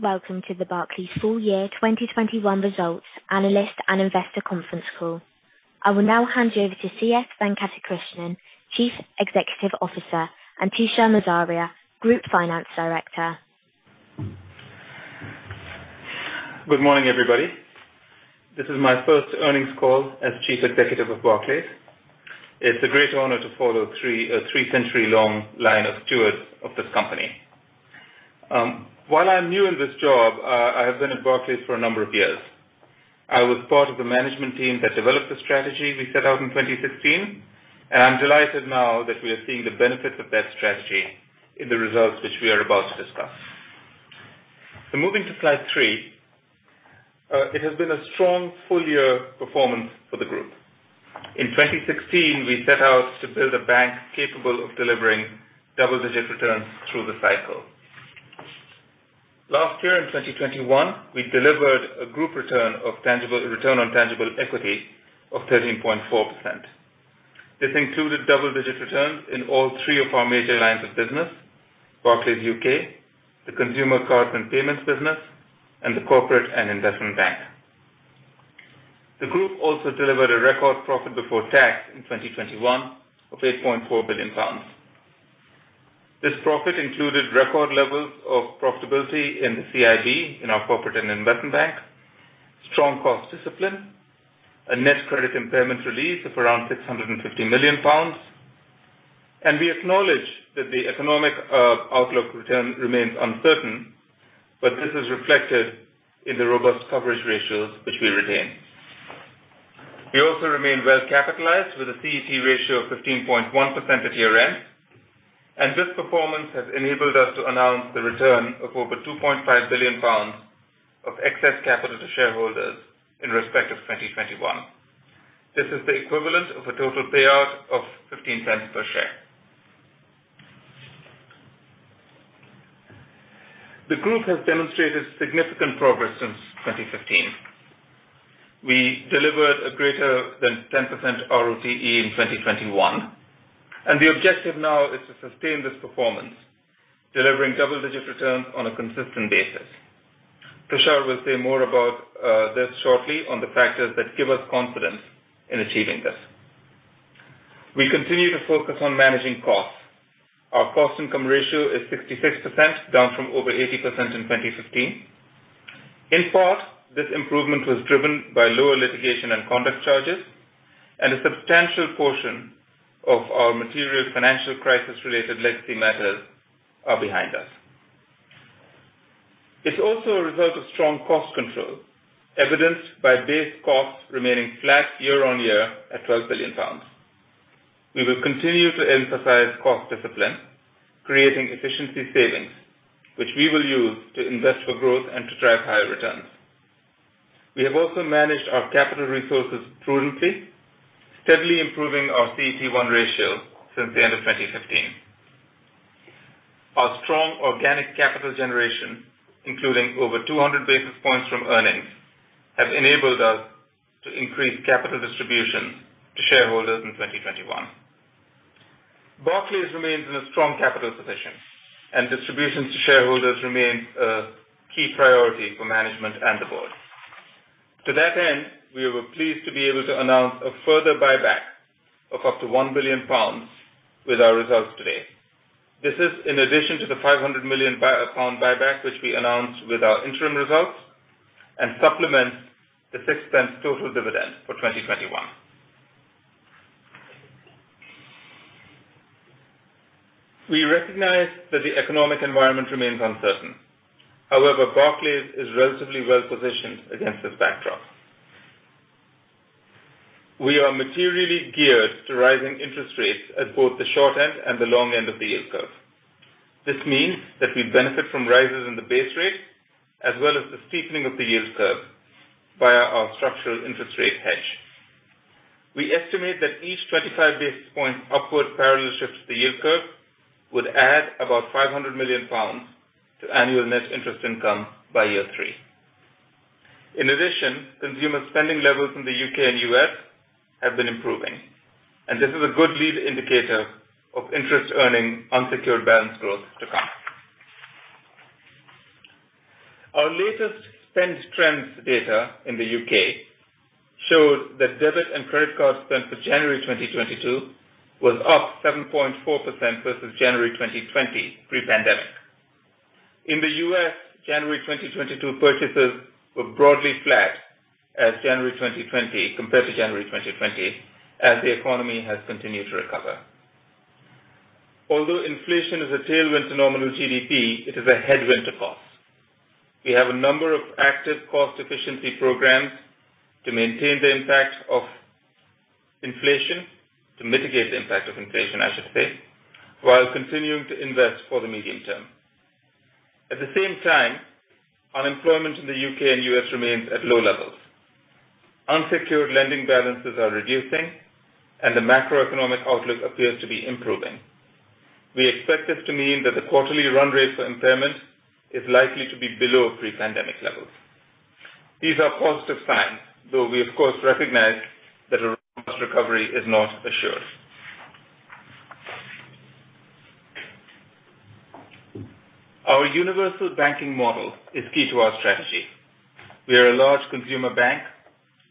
Welcome to the Barclays full year 2021 results analyst and investor conference call. I will now hand you over to C.S. Venkatakrishnan, Chief Executive Officer, and Tushar Morzaria, Group Finance Director. Good morning, everybody. This is my first earnings call as Chief Executive of Barclays. It's a great honor to follow three century-long line of stewards of this company. While I'm new in this job, I have been at Barclays for a number of years. I was part of the management team that developed the strategy we set out in 2016, and I'm delighted now that we are seeing the benefits of that strategy in the results which we are about to discuss. Moving to slide three. It has been a strong full year performance for the group. In 2016, we set out to build a bank capable of delivering double-digit returns through the cycle. Last year, in 2021, we delivered a group return on tangible equity of 13.4%. This included double-digit returns in all three of our major lines of business, Barclays U.K., the Consumer, Cards & Payments business, and the Corporate and Investment Bank. The group also delivered a record profit before tax in 2021 of 8.4 billion pounds. This profit included record levels of profitability in the CIB, in our Corporate and Investment Bank, strong cost discipline, a net credit impairment release of around 650 million pounds. We acknowledge that the economic outlook remains uncertain, but this is reflected in the robust coverage ratios which we retain. We also remain well capitalized with a CET1 ratio of 15.1% at year end, and this performance has enabled us to announce the return of over 2.5 billion pounds of excess capital to shareholders in respect of 2021. This is the equivalent of a total payout of $0.15 per share. The group has demonstrated significant progress since 2015. We delivered greater than 10% RoTE in 2021, and the objective now is to sustain this performance, delivering double-digit returns on a consistent basis. Tushar will say more about this shortly on the factors that give us confidence in achieving this. We continue to focus on managing costs. Our cost income ratio is 66%, down from over 80% in 2015. In part, this improvement was driven by lower litigation and conduct charges and a substantial portion of our material financial crisis related legacy matters are behind us. It's also a result of strong cost control, evidenced by base costs remaining flat year-on-year at 12 billion pounds. We will continue to emphasize cost discipline, creating efficiency savings, which we will use to invest for growth and to drive higher returns. We have also managed our capital resources prudently, steadily improving our CET1 ratio since the end of 2015. Our strong organic capital generation, including over 200 basis points from earnings, have enabled us to increase capital distribution to shareholders in 2021. Barclays remains in a strong capital position, and distributions to shareholders remains a key priority for management and the board. To that end, we were pleased to be able to announce a further buyback of up to 1 billion pounds with our results today. This is in addition to the 500 million pound buyback, which we announced with our interim results, and supplements the 0.6 total dividend for 2021. We recognize that the economic environment remains uncertain. However, Barclays is relatively well-positioned against this backdrop. We are materially geared to rising interest rates at both the short end and the long end of the yield curve. This means that we benefit from rises in the base rate as well as the steepening of the yield curve via our structural interest rate hedge. We estimate that each 25 basis point upward parallel shift to the yield curve would add about 500 million pounds to annual net interest income by year three. In addition, consumer spending levels in the U.K. and U.S. have been improving, and this is a good lead indicator of interest earning unsecured balance growth to come. Our latest spend trends data in the U.K. shows that debit and credit card spend for January 2022 was up 7.4% versus January 2020 pre-pandemic. In the U.S., January 2022 purchases were broadly flat compared to January 2020 as the economy has continued to recover. Although inflation is a tailwind to nominal GDP, it is a headwind to costs. We have a number of active cost efficiency programs to maintain the impact of inflation, to mitigate the impact of inflation, I should say, while continuing to invest for the medium term. At the same time, unemployment in the U.K. and U.S. remains at low levels. Unsecured lending balances are reducing, and the macroeconomic outlook appears to be improving. We expect this to mean that the quarterly run rate for impairment is likely to be below pre-pandemic levels. These are positive signs, though we of course recognize that a strong recovery is not assured. Our universal banking model is key to our strategy. We are a large consumer bank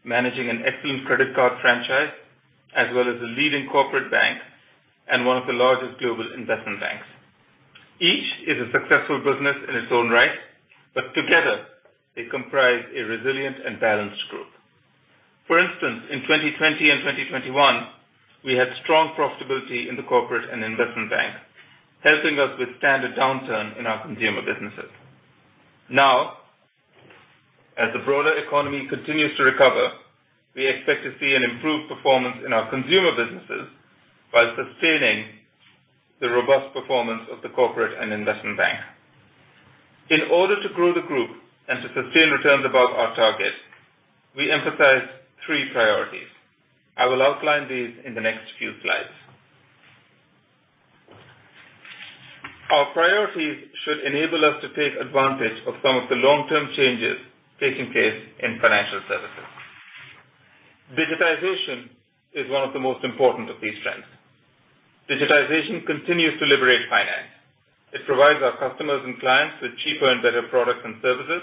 managing an excellent credit card franchise, as well as a leading corporate bank and one of the largest global investment banks. Each is a successful business in its own right, but together they comprise a resilient and balanced group. For instance, in 2020 and 2021, we had strong profitability in the Corporate and Investment Bank, helping us withstand a downturn in our consumer businesses. Now, as the broader economy continues to recover, we expect to see an improved performance in our consumer businesses while sustaining the robust performance of the Corporate and Investment Bank. In order to grow the group and to sustain returns above our target, we emphasize three priorities. I will outline these in the next few slides. Our priorities should enable us to take advantage of some of the long-term changes taking place in financial services. Digitization is one of the most important of these trends. Digitization continues to liberate finance. It provides our customers and clients with cheaper and better products and services,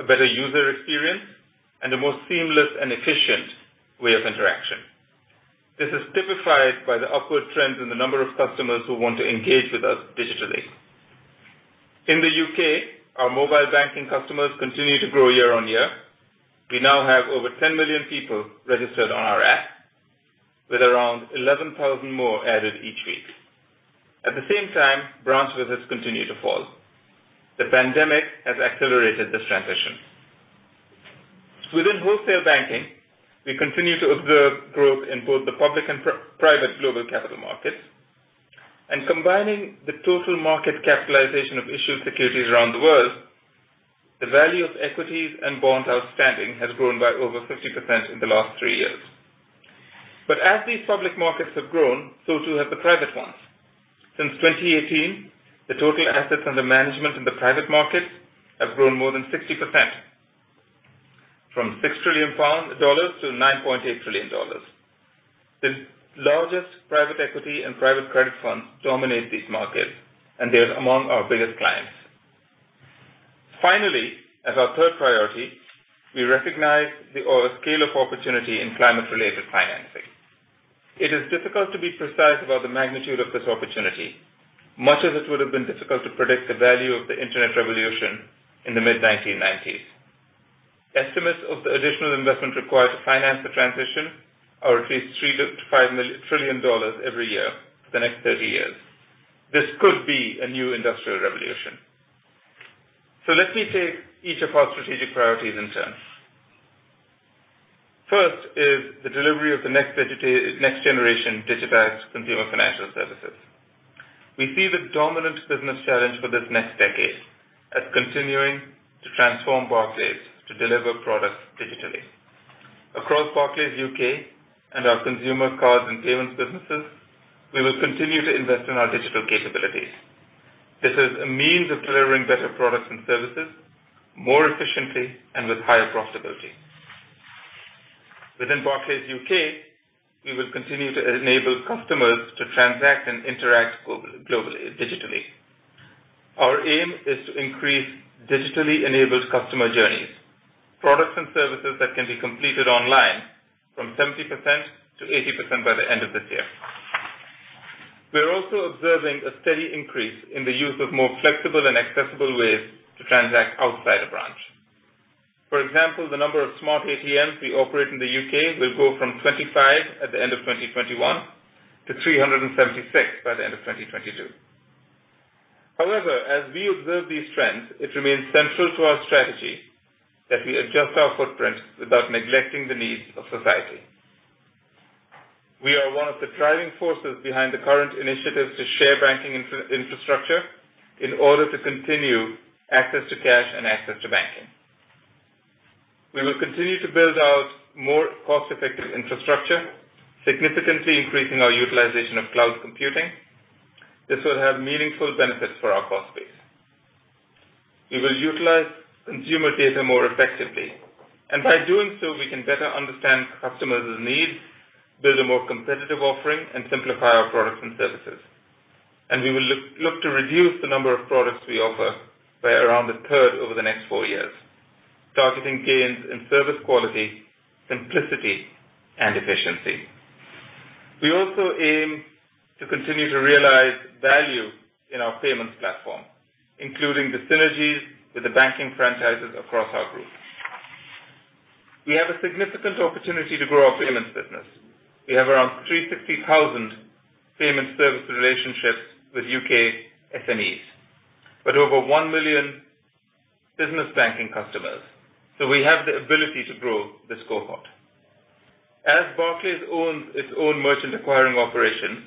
a better user experience, and a more seamless and efficient way of interaction. This is typified by the upward trends in the number of customers who want to engage with us digitally. In the U.K., our mobile banking customers continue to grow year on year. We now have over 10 million people registered on our app, with around 11,000 more added each week. At the same time, branch visits continue to fall. The pandemic has accelerated this transition. Within wholesale banking, we continue to observe growth in both the public and private global capital markets. Combining the total market capitalization of issued securities around the world, the value of equities and bonds outstanding has grown by over 50% in the last 3 years. As these public markets have grown, so too have the private ones. Since 2018, the total assets under management in the private market have grown more than 60%, from $6 trillion-$9.8 trillion. The largest private equity and private credit funds dominate these markets, and they are among our biggest clients. Finally, as our third priority, we recognize the scale of opportunity in climate-related financing. It is difficult to be precise about the magnitude of this opportunity, much as it would have been difficult to predict the value of the internet revolution in the mid-1990s. Estimates of the additional investment required to finance the transition are at least $3 trillion-$5 trillion every year for the next 30 years. This could be a new industrial revolution. Let me take each of our strategic priorities in turn. First is the delivery of the next generation digitized consumer financial services. We see the dominant business challenge for this next decade as continuing to transform Barclays to deliver products digitally. Across Barclays U.K. and our Consumer, Cards & Payments businesses, we will continue to invest in our digital capabilities. This is a means of delivering better products and services more efficiently and with higher profitability. Within Barclays U.K., we will continue to enable customers to transact and interact globally digitally. Our aim is to increase digitally enabled customer journeys, products and services that can be completed online from 70% to 80% by the end of this year. We are also observing a steady increase in the use of more flexible and accessible ways to transact outside a branch. For example, the number of Smart ATMs we operate in the U.K. will go from 25 at the end of 2021 to 376 by the end of 2022. However, as we observe these trends, it remains central to our strategy that we adjust our footprint without neglecting the needs of society. We are one of the driving forces behind the current initiatives to share banking infrastructure in order to continue access to cash and access to banking. We will continue to build out more cost-effective infrastructure, significantly increasing our utilization of cloud computing. This will have meaningful benefits for our cost base. We will utilize consumer data more effectively, and by doing so, we can better understand customers' needs, build a more competitive offering, and simplify our products and services. We will look to reduce the number of products we offer by around a third over the next four years, targeting gains in service quality, simplicity, and efficiency. We also aim to continue to realize value in our payments platform, including the synergies with the banking franchises across our group. We have a significant opportunity to grow our payments business. We have around 350,000 payment service relationships with U.K. SMEs, but over 1 million business banking customers, so we have the ability to grow this cohort. As Barclays owns its own merchant acquiring operation,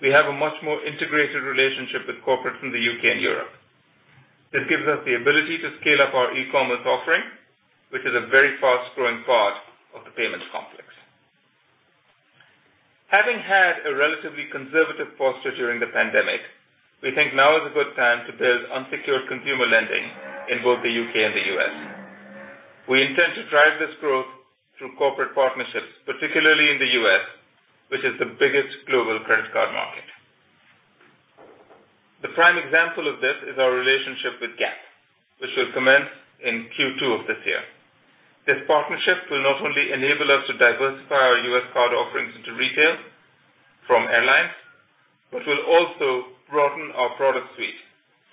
we have a much more integrated relationship with corporates in the U.K. and Europe. This gives us the ability to scale up our e-commerce offering, which is a very fast-growing part of the payments complex. Having had a relatively conservative posture during the pandemic, we think now is a good time to build unsecured consumer lending in both the U.K. and the U.S. We intend to drive this growth through corporate partnerships, particularly in the U.S., which is the biggest global credit card market. The prime example of this is our relationship with Gap, which will commence in Q2 of this year. This partnership will not only enable us to diversify our U.S. card offerings into retail from airlines, but will also broaden our product suite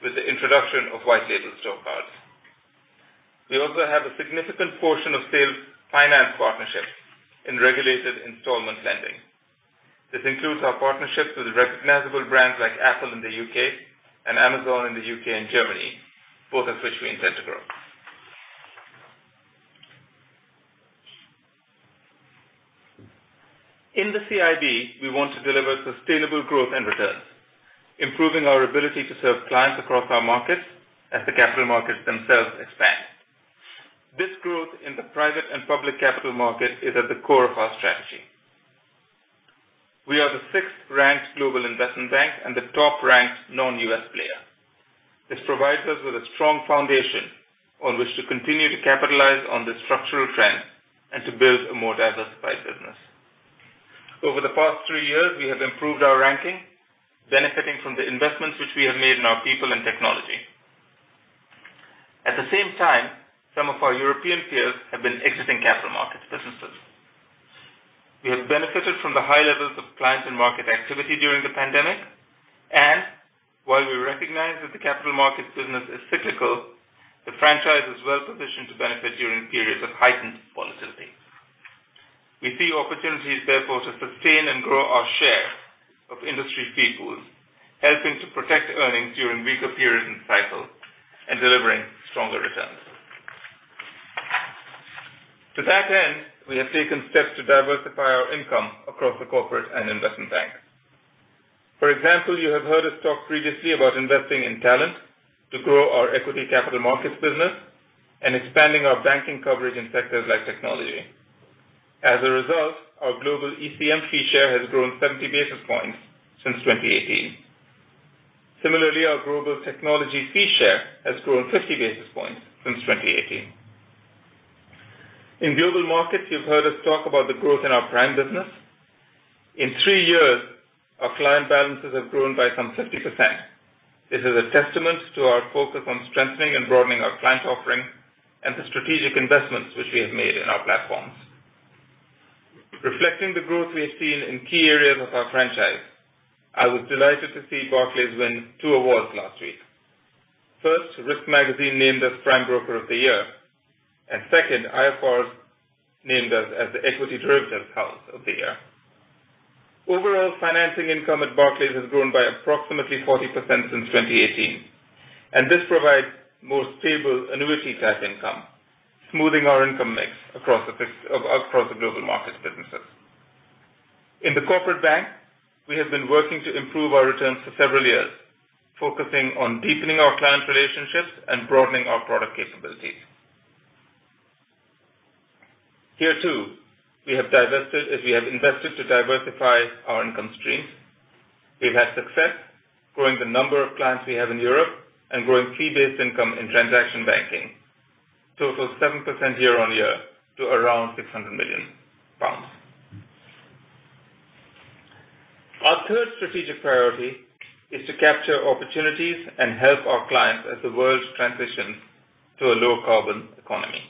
with the introduction of white label store cards. We also have a significant portion of sales finance partnerships in regulated installment lending. This includes our partnerships with recognizable brands like Apple in the U.K. and Amazon in the U.K. and Germany, both of which we intend to grow. In the CIB, we want to deliver sustainable growth and returns, improving our ability to serve clients across our markets as the capital markets themselves expand. This growth in the private and public capital market is at the core of our strategy. We are the sixth-ranked global investment bank and the top-ranked non-U.S. player. This provides us with a strong foundation on which to continue to capitalize on the structural trends and to build a more diversified business. Over the past three years, we have improved our ranking, benefiting from the investments which we have made in our people and technology. At the same time, some of our European peers have been exiting capital markets businesses. We have benefited from the high levels of client and market activity during the pandemic. While we recognize that the capital markets business is cyclical, the franchise is well positioned to benefit during periods of heightened volatility. We see opportunities, therefore, to sustain and grow our share of industry fee pools, helping to protect earnings during weaker periods and cycles and delivering stronger returns. To that end, we have taken steps to diversify our income across the Corporate and Investment Bank. For example, you have heard us talk previously about investing in talent to grow our equity capital markets business and expanding our banking coverage in sectors like technology. As a result, our global ECM fee share has grown 70 basis points since 2018. Similarly, our global technology fee share has grown 50 basis points since 2018. In global markets, you've heard us talk about the growth in our prime business. In three years, our client balances have grown by some 50%. This is a testament to our focus on strengthening and broadening our client offering and the strategic investments which we have made in our platforms. Reflecting the growth we have seen in key areas of our franchise, I was delighted to see Barclays win two awards last week. First, Risk Magazine named us Prime Broker of the Year. Second, IFR named us as the Equity Derivatives House of the Year. Overall, financing income at Barclays has grown by approximately 40% since 2018, and this provides more stable annuity type income, smoothing our income mix across the global markets businesses. In the corporate bank, we have been working to improve our returns for several years, focusing on deepening our client relationships and broadening our product capabilities. Here, too, we have divested as we have invested to diversify our income streams. We've had success growing the number of clients we have in Europe and growing fee-based income in transaction banking, total of 7% year-on-year to around 600 million pounds. Our third strategic priority is to capture opportunities and help our clients as the world transitions to a low carbon economy.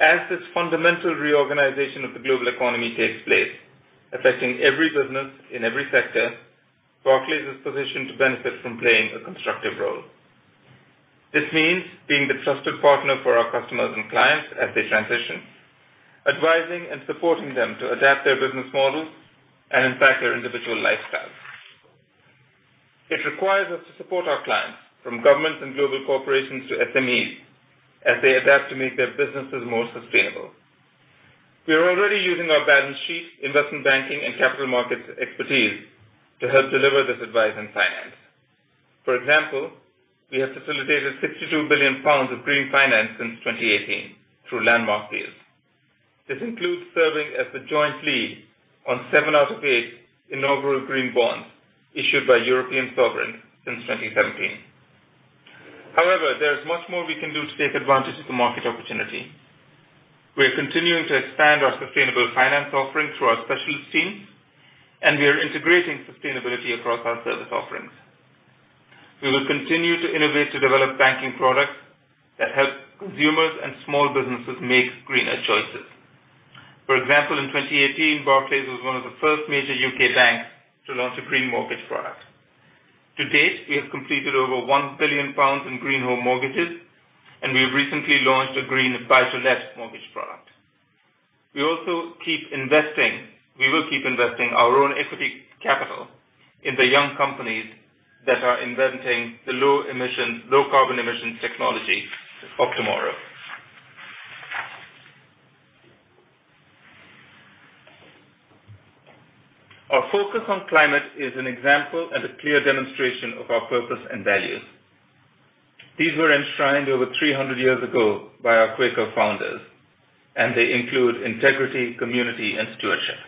As this fundamental reorganization of the global economy takes place, affecting every business in every sector, Barclays is positioned to benefit from playing a constructive role. This means being the trusted partner for our customers and clients as they transition, advising and supporting them to adapt their business models and impact their individual lifestyles. It requires us to support our clients from governments and global corporations to SMEs as they adapt to make their businesses more sustainable. We are already using our balance sheet, investment banking, and capital markets expertise to help deliver this advice and finance. For example, we have facilitated 62 billion pounds of green finance since 2018 through landmark deals. This includes serving as the joint lead on seven out of eight inaugural green bonds issued by European sovereigns since 2017. However, there is much more we can do to take advantage of the market opportunity. We are continuing to expand our sustainable finance offering through our specialist teams, and we are integrating sustainability across our service offerings. We will continue to innovate to develop banking products that help consumers and small businesses make greener choices. For example, in 2018, Barclays was one of the first major U.K. banks to launch a green mortgage product. To date, we have completed over 1 billion pounds in green home mortgages, and we have recently launched a green buy to let mortgage product. We will keep investing our own equity capital in the young companies that are inventing the low carbon emission technology of tomorrow. Our focus on climate is an example and a clear demonstration of our purpose and values. These were enshrined over 300 years ago by our Quaker founders, and they include integrity, community, and stewardship.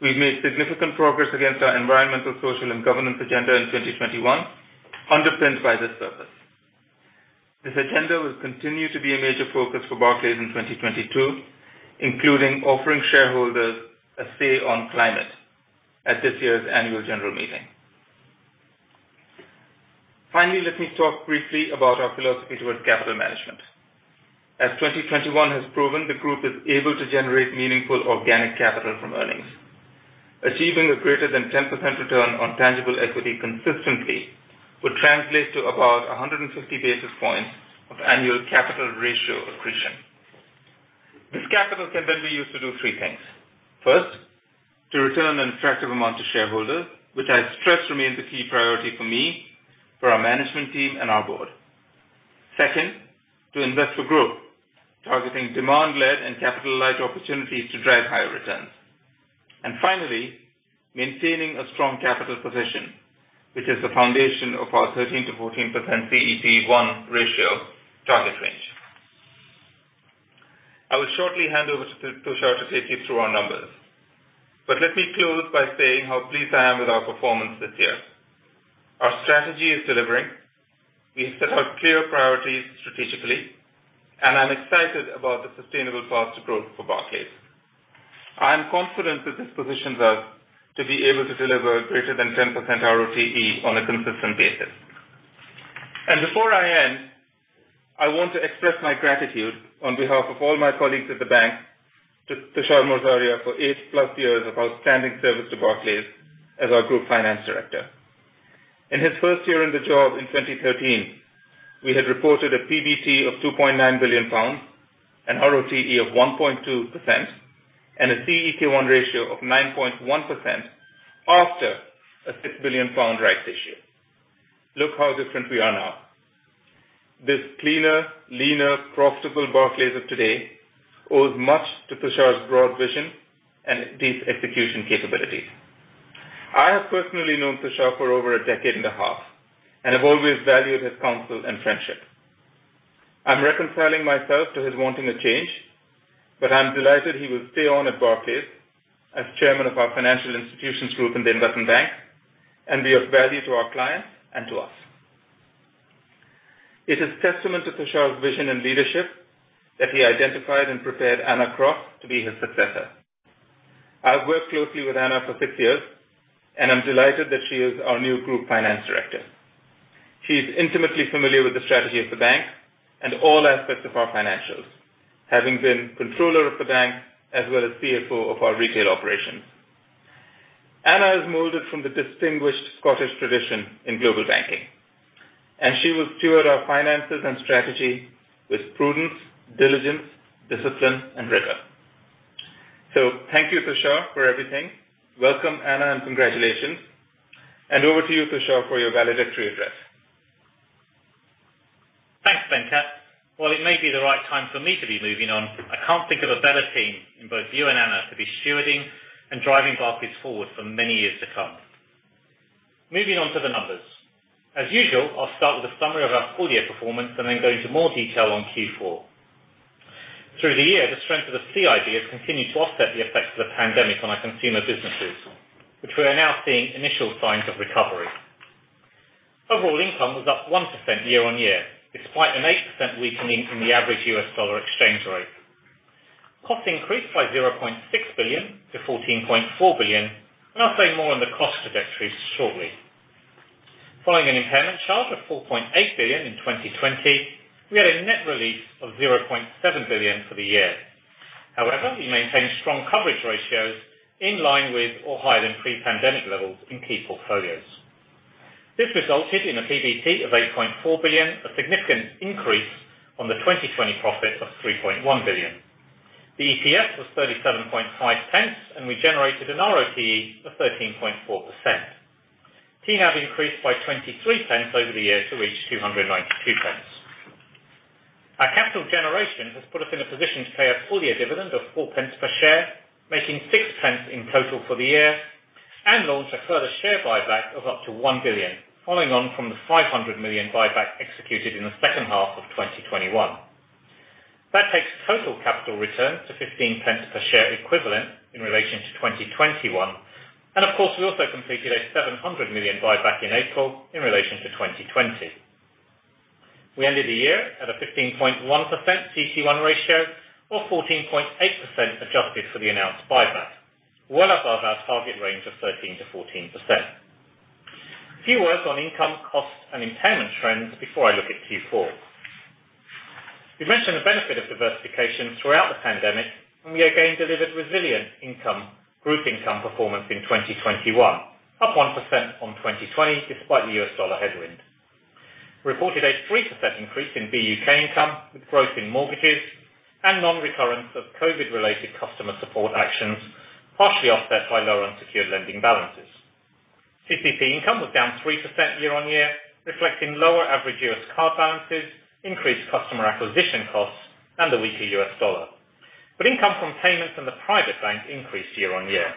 We've made significant progress against our environmental, social, and governance agenda in 2021, underpinned by this purpose. This agenda will continue to be a major focus for Barclays in 2022, including offering shareholders a say on climate at this year's annual general meeting. Finally, let me talk briefly about our philosophy towards capital management. As 2021 has proven, the group is able to generate meaningful organic capital from earnings. Achieving a greater than 10% return on tangible equity consistently would translate to about 150 basis points of annual capital ratio accretion. This capital can then be used to do three things. First, to return an attractive amount to shareholders, which I stress remains a key priority for me, for our management team, and our board. Second, to invest for growth, targeting demand-led and capital-light opportunities to drive higher returns. Finally, maintaining a strong capital position, which is the foundation of our 13%-14% CET1 ratio target range. I will shortly hand over to Tushar to take you through our numbers. Let me close by saying how pleased I am with our performance this year. Our strategy is delivering. We have set out clear priorities strategically, and I'm excited about the sustainable path to growth for Barclays. I am confident that this positions us to be able to deliver greater than 10% ROTE on a consistent basis. Before I end, I want to express my gratitude on behalf of all my colleagues at the bank to Tushar Morzaria for 8+ years of outstanding service to Barclays as our Group Finance Director. In his first year in the job in 2013, we had reported a PBT of 2.9 billion pounds, an ROTE of 1.2%, and a CET1 ratio of 9.1% after a 6 billion pound rights issue. Look how different we are now. This cleaner, leaner, profitable Barclays of today owes much to Tushar's broad vision and deep execution capabilities. I have personally known Tushar for over a decade and a half, and have always valued his counsel and friendship. I'm reconciling myself to his wanting a change, but I'm delighted he will stay on at Barclays as chairman of our Financial Institutions Group in the investment bank and be of value to our clients and to us. It is testament to Tushar's vision and leadership that he identified and prepared Anna Cross to be his successor. I've worked closely with Anna for six years, and I'm delighted that she is our new Group Finance Director. She's intimately familiar with the strategy of the bank and all aspects of our financials, having been controller of the bank as well as CFO of our retail operations. Anna is molded from the distinguished Scottish tradition in global banking, and she will steward our finances and strategy with prudence, diligence, discipline, and rigor. Thank you, Tushar, for everything. Welcome, Anna, and congratulations. Over to you, Tushar, for your valedictory address. Thanks, Venkat. While it may be the right time for me to be moving on, I can't think of a better team in both you and Anna to be stewarding and driving Barclays forward for many years to come. Moving on to the numbers. As usual, I'll start with a summary of our full-year performance and then go into more detail on Q4. Through the year, the strength of the CIB has continued to offset the effects of the pandemic on our consumer businesses, which we are now seeing initial signs of recovery. Overall income was up 1% year-on-year, despite an 8% weakening in the average US dollar exchange rate. Costs increased by 0.6 billion-14.4 billion, and I'll say more on the cost trajectory shortly. Following an impairment charge of 4.8 billion in 2020, we had a net release of 0.7 billion for the year. However, we maintained strong coverage ratios in line with or higher than pre-pandemic levels in key portfolios. This resulted in a PBT of 8.4 billion, a significant increase on the 2020 profit of 3.1 billion. The EPS was 0.375, and we generated an ROTE of 13.4%. TNAB increased by 0.23 over the year to reach 2.92. Our capital generation has put us in a position to pay a full-year dividend of 0.4 per share, making 0.6 in total for the year, and launch a further share buyback of up to 1 billion, following on from the 500 million buyback executed in the second half of 2021. That takes total capital return to 0.15 per share equivalent in relation to 2021. Of course, we also completed a 700 million buyback in April in relation to 2020. We ended the year at a 15.1% CET1 ratio, or 14.8% adjusted for the announced buyback, well above our target range of 13%-14%. A few words on income, cost, and impairment trends before I look at Q4. We mentioned the benefit of diversification throughout the pandemic, and we again delivered resilient income, Group income performance in 2021. Up 1% on 2020, despite the US dollar headwind. Reported a 3% increase in BUK income with growth in mortgages and non-recurrence of COVID-related customer support actions, partially offset by lower unsecured lending balances. CC&P income was down 3% year-on-year, reflecting lower average US card balances, increased customer acquisition costs, and the weaker US dollar. Income from payments in the private bank increased year-on-year.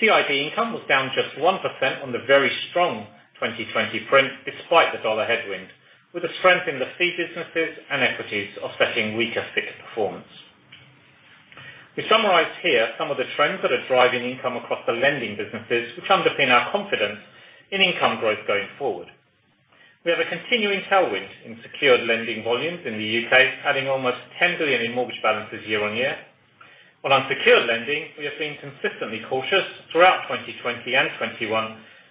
CIB income was down just 1% on the very strong 2020 print despite the dollar headwind, with strength in the fee businesses and equities offsetting weaker fixed income performance. We summarize here some of the trends that are driving income across the lending businesses, which underpin our confidence in income growth going forward. We have a continuing tailwind in secured lending volumes in the U.K., adding almost 10 billion in mortgage balances year-on-year. On unsecured lending, we have been consistently cautious throughout 2020 and 2021,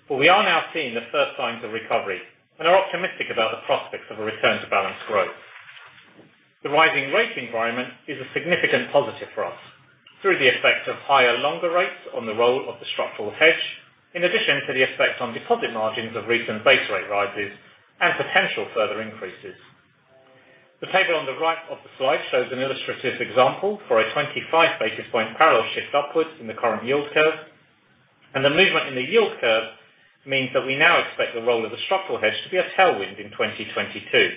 but we are now seeing the first signs of recovery and are optimistic about the prospects of a return to balance growth. The rising rate environment is a significant positive for us through the effect of higher longer rates on the roll of the structural hedge, in addition to the effect on deposit margins of recent base rate rises and potential further increases. The table on the right of the slide shows an illustrative example for a 25 basis point parallel shift upwards in the current yield curve, and the movement in the yield curve means that we now expect the roll of the structural hedge to be a tailwind in 2022.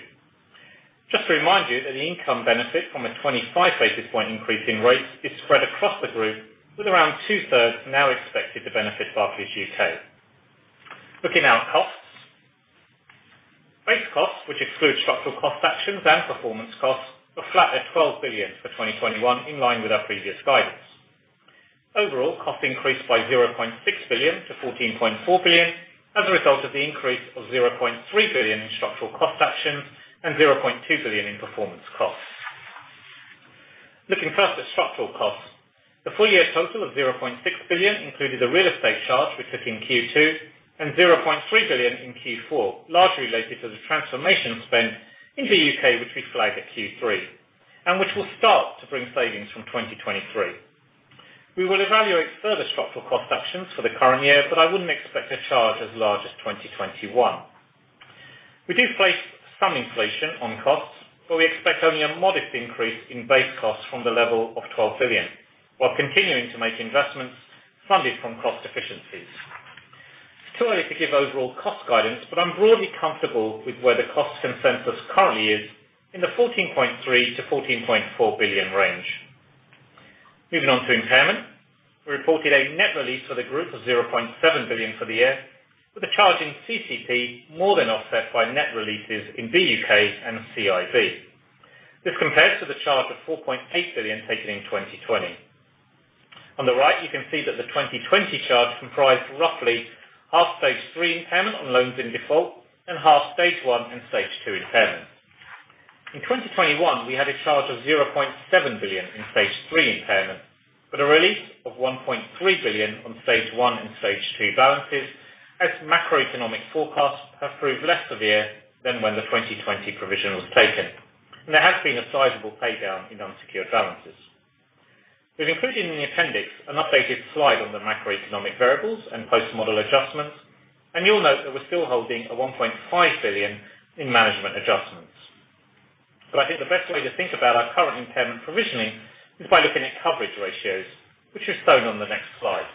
Just to remind you that the income benefit from a 25 basis point increase in rates is spread across the group with around two-thirds now expected to benefit Barclays U.K. Looking now at costs. Base costs, which exclude structural cost actions and performance costs, were flat at 12 billion for 2021 in line with our previous guidance. Overall, costs increased by 0.6 billion-14.4 billion as a result of the increase of 0.3 billion in structural cost action and 0.2 billion in performance costs. Looking first at structural costs, the full year total of 0.6 billion included a real estate charge we took in Q2 and 0.3 billion in Q4, largely related to the transformation spend in the U.K., which we flagged at Q3 and which will start to bring savings from 2023. We will evaluate further structural cost actions for the current year, but I wouldn't expect a charge as large as 2021. We do face some inflation on costs, but we expect only a modest increase in base costs from the level of 12 billion while continuing to make investments funded from cost efficiencies. It's too early to give overall cost guidance, but I'm broadly comfortable with where the cost consensus currently is in the 14.3 billion-14.4 billion range. Moving on to impairment, we reported a net release for the group of 0.7 billion for the year, with a charge in CCP more than offset by net releases in BUK and CIB. This compares to the charge of 4.8 billion taken in 2020. On the right, you can see that the 2020 charge comprised roughly half Stage 3 impairment on loans in default and half Stage 1 and Stage 2 impairment. In 2021, we had a charge of 0.7 billion in Stage 3 impairment, but a release of 1.3 billion on Stage 1 and Stage 2 balances as macroeconomic forecasts have proved less severe than when the 2020 provision was taken, and there has been a sizable pay down in unsecured balances. We've included in the appendix an updated slide on the macroeconomic variables and post-model adjustments, and you'll note that we're still holding 1.5 billion in management adjustments. I think the best way to think about our current impairment provisioning is by looking at coverage ratios, which are shown on the next slide.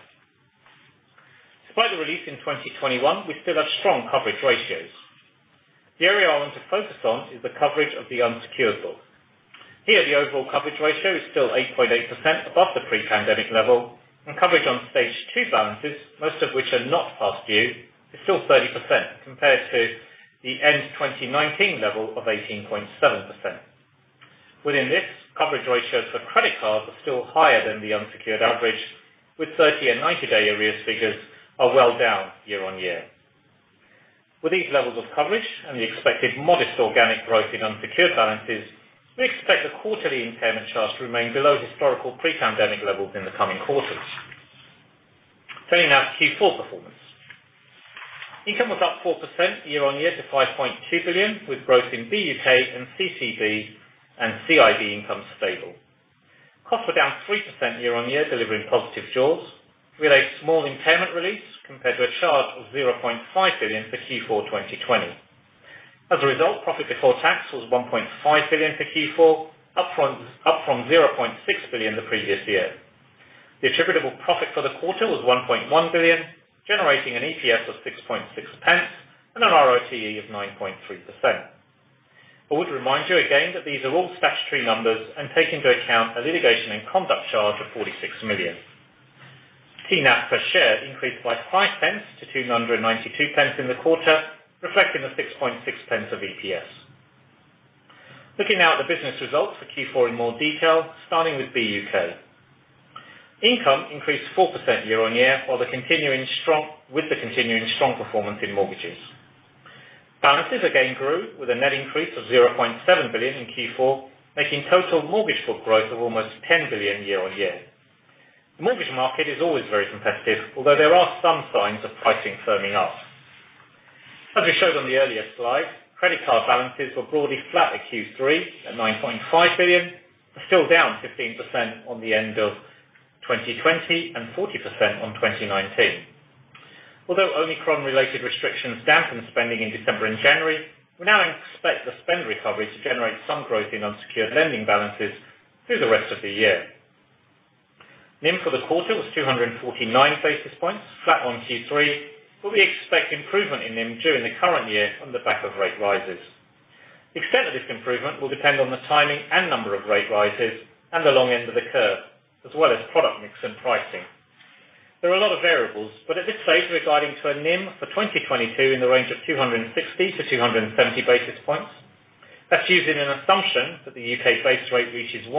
Despite the release in 2021, we still have strong coverage ratios. The area I want to focus on is the coverage of the unsecured book. Here, the overall coverage ratio is still 8.8% above the pre-pandemic level, and coverage on Stage 2 balances, most of which are not past due, is still 30% compared to the end-2019 level of 18.7%. Within this, coverage ratios for credit cards are still higher than the unsecured average, with 30- and 90-day arrears figures are well down year-on-year. With these levels of coverage and the expected modest organic growth in unsecured balances, we expect the quarterly impairment charge to remain below historical pre-pandemic levels in the coming quarters. Turning now to Q4 performance. Income was up 4% year-on-year to 5.2 billion, with growth in BUK and CCB and CIB income stable. Costs were down 3% year-on-year, delivering positive jaws. We had a small impairment release compared to a charge of 0.5 billion for Q4 2020. As a result, profit before tax was 1.5 billion for Q4, up from 0.6 billion the previous year. The attributable profit for the quarter was 1.1 billion, generating an EPS of 0.066 and an ROTE of 9.3%. I would remind you again that these are all statutory numbers and take into account a litigation and conduct charge of 46 million. TNAV per share increased by 0.5-0.292 in the quarter, reflecting the 0.066 of EPS. Looking now at the business results for Q4 in more detail, starting with BUK. Income increased 4% year-on-year, with the continuing strong performance in mortgages. Balances again grew with a net increase of 0.7 billion in Q4, making total mortgage book growth of almost 10 billion year-on-year. The mortgage market is always very competitive, although there are some signs of pricing firming up. As we showed on the earlier slide, credit card balances were broadly flat at Q3 at 9.5 billion, but still down 15% on the end of 2020 and 40% on 2019. Although Omicron-related restrictions dampened spending in December and January, we now expect the spend recovery to generate some growth in unsecured lending balances through the rest of the year. NIM for the quarter was 249 basis points, flat on Q3, but we expect improvement in NIM during the current year on the back of rate rises. The extent of this improvement will depend on the timing and number of rate rises at the long end of the curve, as well as product mix and pricing. There are a lot of variables, but at this stage, we're guiding to a NIM for 2022 in the range of 260-270 basis points. That's using an assumption that the U.K. base rate reaches 1%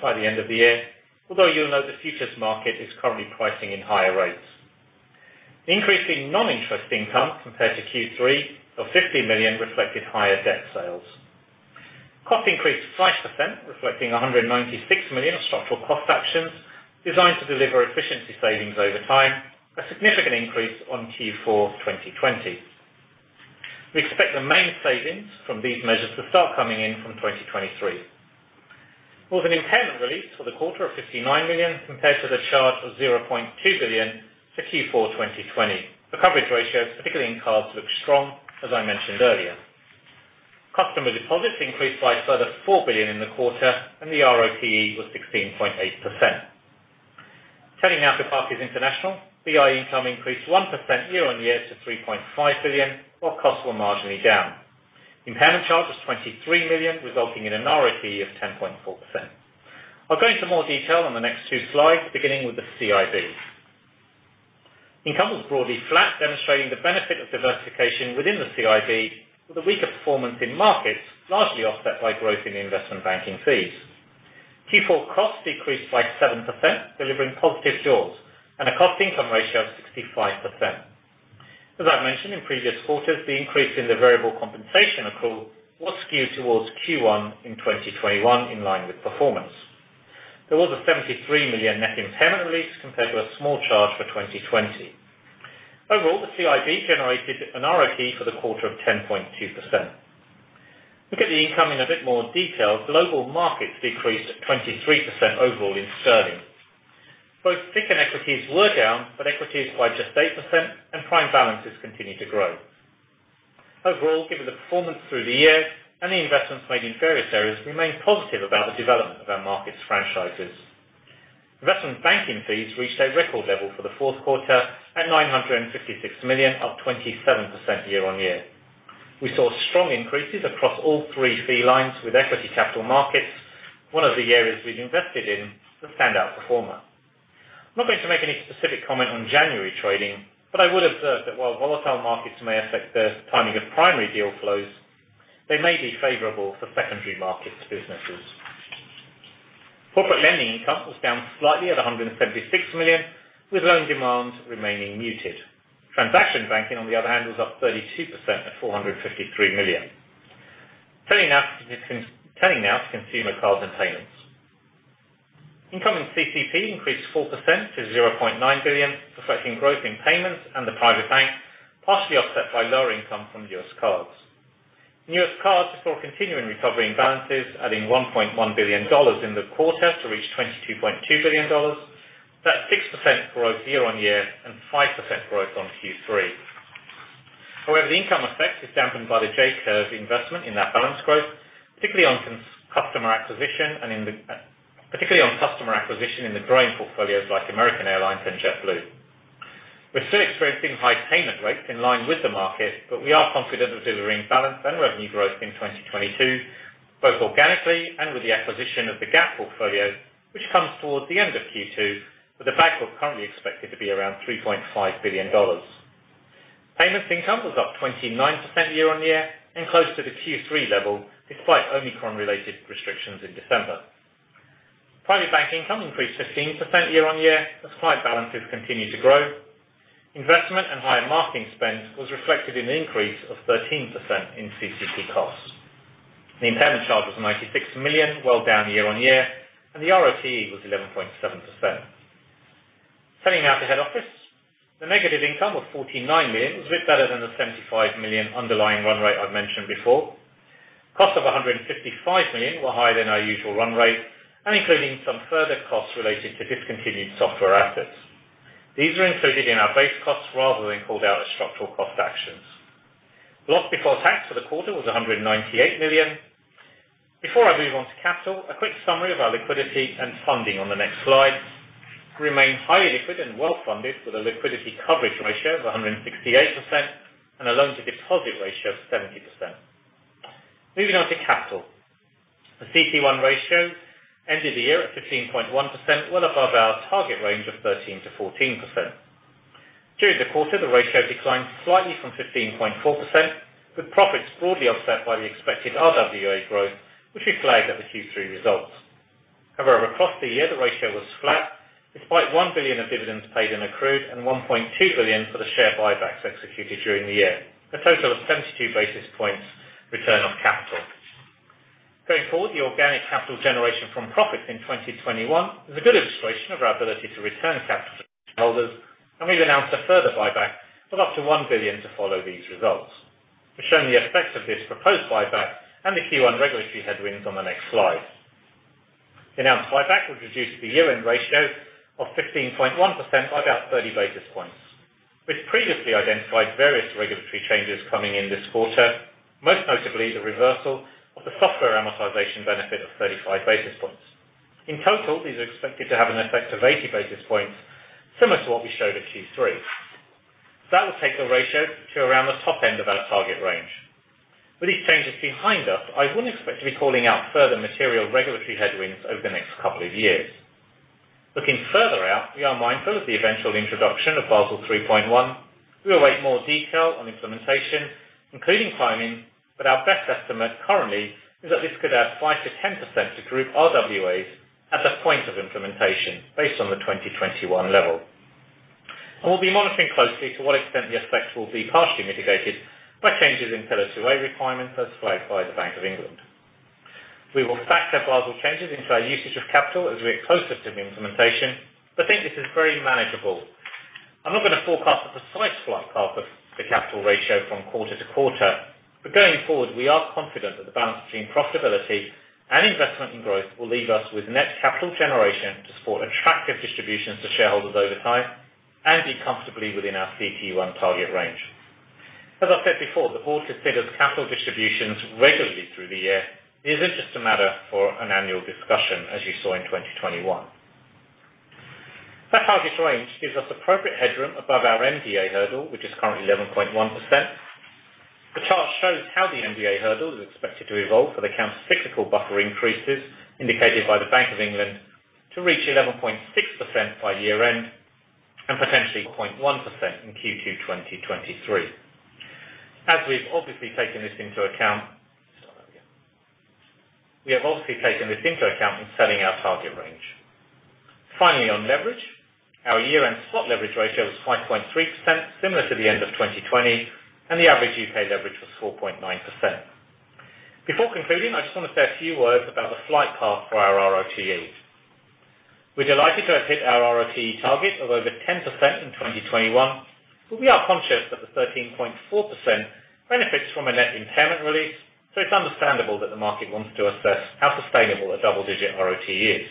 by the end of the year, although you'll know the futures market is currently pricing in higher rates. Increasing non-interest income compared to Q3 of 50 million reflected higher debt sales. Costs increased 5%, reflecting 196 million of structural cost actions designed to deliver efficiency savings over time, a significant increase on Q4 2020. We expect the main savings from these measures to start coming in from 2023. There was an impairment release for the quarter of 59 million, compared to the charge of 0.2 billion for Q4 2020. The coverage ratios, particularly in cards, look strong, as I mentioned earlier. Customer deposits increased by a further 4 billion in the quarter, and the RoTE was 16.8%. Turning now to Barclays International. BI income increased 1% year-on-year to 3.5 billion, while costs were marginally down. Impairment charge was 23 million, resulting in an RoTE of 10.4%. I'll go into more detail on the next two slides, beginning with the CIB. Income was broadly flat, demonstrating the benefit of diversification within the CIB, with a weaker performance in markets largely offset by growth in investment banking fees. Q4 costs decreased by 7%, delivering positive jaws and a cost-income ratio of 65%. As I've mentioned in previous quarters, the increase in the variable compensation accrual was skewed towards Q1 in 2021, in line with performance. There was a 73 million net impairment release compared to a small charge for 2020. Overall, the CIB generated an RoTE for the quarter of 10.2%. Looking at the income in a bit more detail, global markets decreased 23% overall in sterling. Both fixed and equities were down, but equities by just 8% and prime balances continued to grow. Overall, given the performance through the year and the investments made in various areas, we remain positive about the development of our Markets franchises. Investment banking fees reached a record level for the fourth quarter at 956 million, up 27% year-on-year. We saw strong increases across all three fee lines with Equity Capital Markets, one of the areas we've invested in, the standout performer. I'm not going to make any specific comment on January trading, but I would observe that while volatile markets may affect the timing of primary deal flows, they may be favorable for secondary markets businesses. Corporate lending income was down slightly at 176 million, with loan demand remaining muted. Transaction banking, on the other hand, was up 32% at 453 million. Turning now to Consumer Cards and Payments. Income in CCP increased 4% to 0.9 billion, reflecting growth in payments and the private bank, partially offset by lower income from U.S. cards. In U.S. cards, we saw a continuing recovery in balances, adding $1.1 billion in the quarter to reach $22.2 billion. That's 6% year-on-year growth and 5% growth on Q3. However, the income effect is dampened by the J-curve investment in that balance growth, particularly on customer acquisition in the growing portfolios like American Airlines and JetBlue. We're still experiencing high payment rates in line with the market, but we are confident that there will be balance and revenue growth in 2022, both organically and with the acquisition of the Gap portfolio, which comes toward the end of Q2 with the back half currently expected to be around $3.5 billion. Payments income was up 29% year-on-year and close to the Q3 level, despite Omicron-related restrictions in December. Private banking income increased 15% year-on-year as client balances continued to grow. Investment and higher marketing spend was reflected in an increase of 13% in CCP costs. The impairment charge was 96 million, well down year-on-year, and the RoTE was 11.7%. Turning now to head office. The negative income of 49 million was a bit better than the 75 million underlying run rate I've mentioned before. Costs of 155 million were higher than our usual run rate, including some further costs related to discontinued software assets. These are included in our base costs rather than called out as structural cost actions. Loss before tax for the quarter was 198 million. Before I move on to capital, a quick summary of our liquidity and funding on the next slide. We remain highly liquid and well funded, with a liquidity coverage ratio of 168% and a loan-to-deposit ratio of 70%. Moving on to capital. The CET1 ratio ended the year at 15.1%, well above our target range of 13%-14%. During the quarter, the ratio declined slightly from 15.4%, with profits broadly offset by the expected RWA growth, which we flagged at the Q3 results. However, across the year, the ratio was flat, despite 1 billion of dividends paid and accrued and 1.2 billion for the share buybacks executed during the year, a total of 72 basis points return on capital. Going forward, the organic capital generation from profits in 2021 is a good illustration of our ability to return capital to shareholders, and we've announced a further buyback of up to 1 billion to follow these results. We've shown the effect of this proposed buyback and the Q1 regulatory headwinds on the next slide. The announced buyback would reduce the year-end ratio of 15.1% by about 30 basis points. We've previously identified various regulatory changes coming in this quarter, most notably the reversal of benefit of 35 basis points. In total, these are expected to have an effect of 80 basis points, similar to what we showed at Q3. That will take the ratio to around the top end of our target range. With these changes behind us, I wouldn't expect to be calling out further material regulatory headwinds over the next couple of years. Looking further out, we are mindful of the eventual introduction of Basel 3.1. We await more detail on implementation, including timing, but our best estimate currently is that this could add 5%-10% to Group RWAs at the point of implementation based on the 2021 level. We'll be monitoring closely to what extent the effects will be partially mitigated by changes in Pillar 2A requirements as flagged by the Bank of England. We will factor Basel changes into our usage of capital as we get closer to the implementation, but think this is very manageable. I'm not gonna forecast the precise flight path of the capital ratio from quarter to quarter, but going forward, we are confident that the balance between profitability and investment in growth will leave us with net capital generation to support attractive distributions to shareholders over time and be comfortably within our CET1 target range. As I said before, the board considers capital distributions regularly through the year. It isn't just a matter for an annual discussion, as you saw in 2021. That target range gives us appropriate headroom above our MDA hurdle, which is currently 11.1%. The chart shows how the MDA hurdle is expected to evolve for the countercyclical buffer increases indicated by the Bank of England to reach 11.6% by year-end and potentially 0.1% in Q2 2023. We have obviously taken this into account in setting our target range. Finally, on leverage, our year-end spot leverage ratio was 5.3%, similar to the end of 2020, and the average U.K. leverage was 4.9%. Before concluding, I just want to say a few words about the flight path for our RoTE. We're delighted to have hit our ROTE target of over 10% in 2021, but we are conscious that the 13.4% benefits from a net impairment release, so it's understandable that the market wants to assess how sustainable a double-digit ROTE is.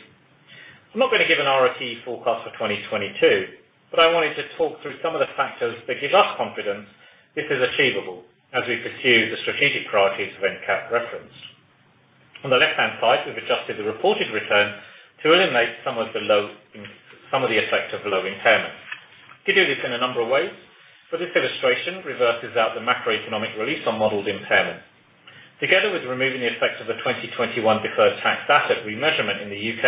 I'm not gonna give an ROTE forecast for 2022, but I wanted to talk through some of the factors that give us confidence this is achievable as we pursue the strategic priorities when CAP referenced. On the left-hand side, we've adjusted the reported return to eliminate some of the effect of low impairment. You do this in a number of ways, but this illustration reverses out the macroeconomic release on modeled impairment. Together with removing the effects of the 2021 deferred tax asset remeasurement in the U.K.,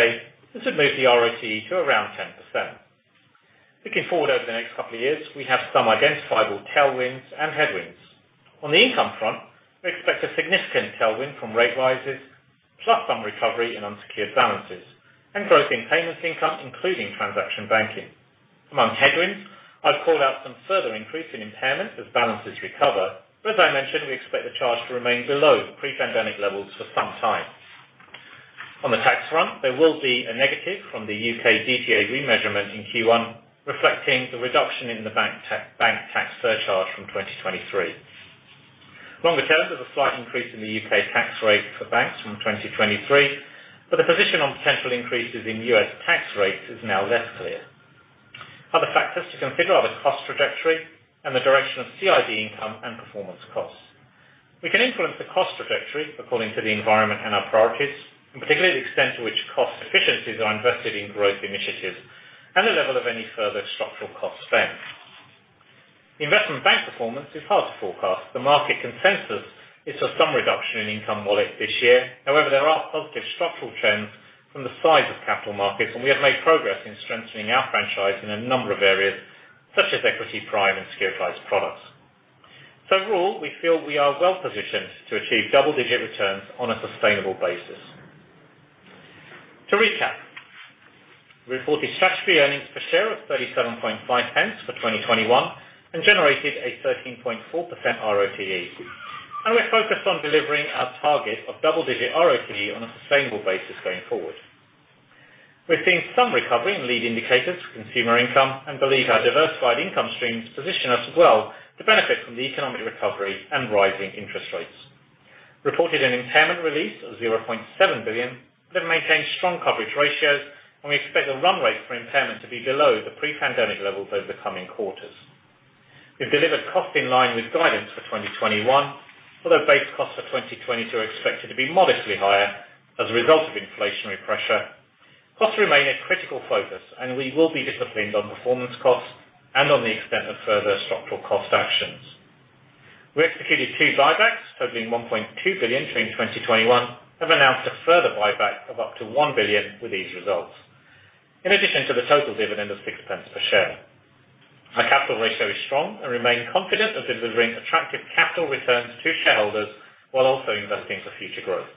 this would move the ROTE to around 10%. Looking forward over the next couple of years, we have some identifiable tailwinds and headwinds. On the income front, we expect a significant tailwind from rate rises, plus some recovery in unsecured balances and growth in payments income, including transaction banking. Among headwinds, I'd call out some further increase in impairment as balances recover, but as I mentioned, we expect the charge to remain below pre-pandemic levels for some time. On the tax front, there will be a negative from the U.K. DTA remeasurement in Q1, reflecting the reduction in the bank levy and bank tax surcharge from 2023. Longer term, there's a slight increase in the U.K. tax rate for banks from 2023, but the position on potential increases in U.S. tax rates is now less clear. Other factors to consider are the cost trajectory and the direction of CIB income and performance costs. We can influence the cost trajectory according to the environment and our priorities, in particular, the extent to which cost efficiencies are invested in growth initiatives and the level of any further structural cost strength. Investment bank performance is hard to forecast. The market consensus is for some reduction in income wallet this year. However, there are positive structural trends from the size of capital markets, and we have made progress in strengthening our franchise in a number of areas such as equity prime and securitized products. Overall, we feel we are well-positioned to achieve double-digit returns on a sustainable basis. To recap, we reported statutory earnings per share of 0.375 for 2021 and generated a 13.4% ROTE. We're focused on delivering our target of double-digit ROTE on a sustainable basis going forward. We've seen some recovery in lead indicators for consumer income and believe our diversified income streams position us well to benefit from the economic recovery and rising interest rates. We reported an impairment release of 0.7 billion, then maintained strong coverage ratios, and we expect the run rate for impairment to be below the pre-pandemic levels over the coming quarters. We've delivered cost in line with guidance for 2021. Although base costs for 2022 are expected to be modestly higher as a result of inflationary pressure, costs remain a critical focus, and we will be disciplined on performance costs and on the extent of further structural cost actions. We executed two buybacks totaling 1.2 billion during 2021, have announced a further buyback of up to 1 billion with these results. In addition to the total dividend of 0.6 per share. Our capital ratio is strong and we remain confident of delivering attractive capital returns to shareholders while also investing for future growth.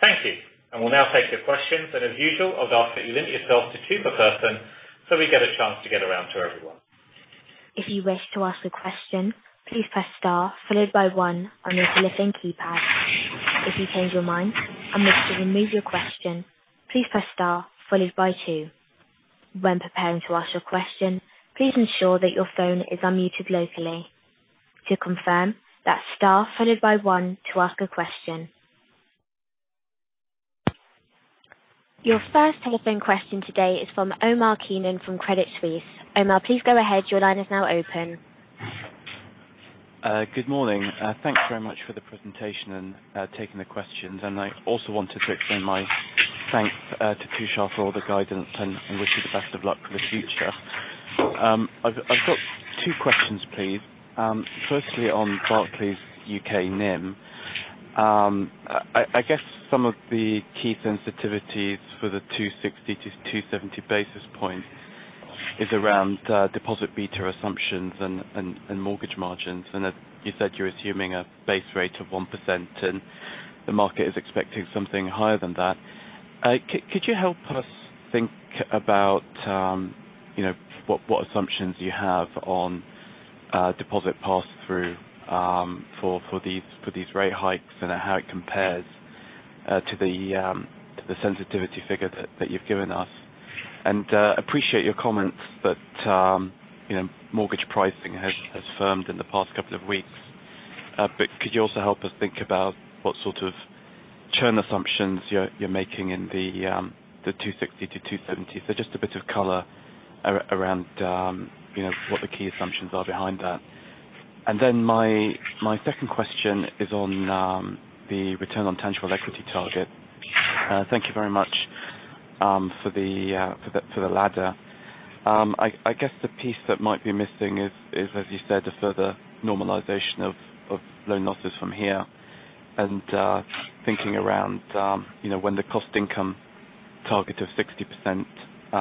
Thank you. We'll now take your questions, and as usual, I'd ask that you limit yourself to two per person so we get a chance to get around to everyone. If you wish to ask a question please press star followed by one on your telephone keypad, if you change your mind and we're still gonna move your question, please press star followed by two. If you wish to ask your question, please ensure that your phone is unmuted gladly, to confirm press star followed by one to ask a question. Your first telephone question today is from Omar Keenan from Credit Suisse. Omar, please go ahead. Your line is now open. Good morning. Thanks very much for the presentation and taking the questions. I also wanted to extend my thanks to Tushar for all the guidance and wish you the best of luck for the future. I've got two questions please. Firstly on Barclays U.K. NIM. I guess some of the key sensitivities for the 260-270 basis points is around deposit beta assumptions and mortgage margins. As you said, you're assuming a base rate of 1%, and the market is expecting something higher than that. Could you help us think about, you know, what assumptions you have on deposit pass through for these rate hikes and how it compares to the sensitivity figure that you've given us? Appreciate your comments that you know, mortgage pricing has firmed in the past couple of weeks. But could you also help us think about what sort of churn assumptions you're making in the 260 to 270? So just a bit of color around you know, what the key assumptions are behind that. Then my second question is on the return on tangible equity target. Thank you very much for the ladder. I guess the piece that might be missing is, as you said, a further normalization of loan losses from here. Thinking around you know, when the cost income target of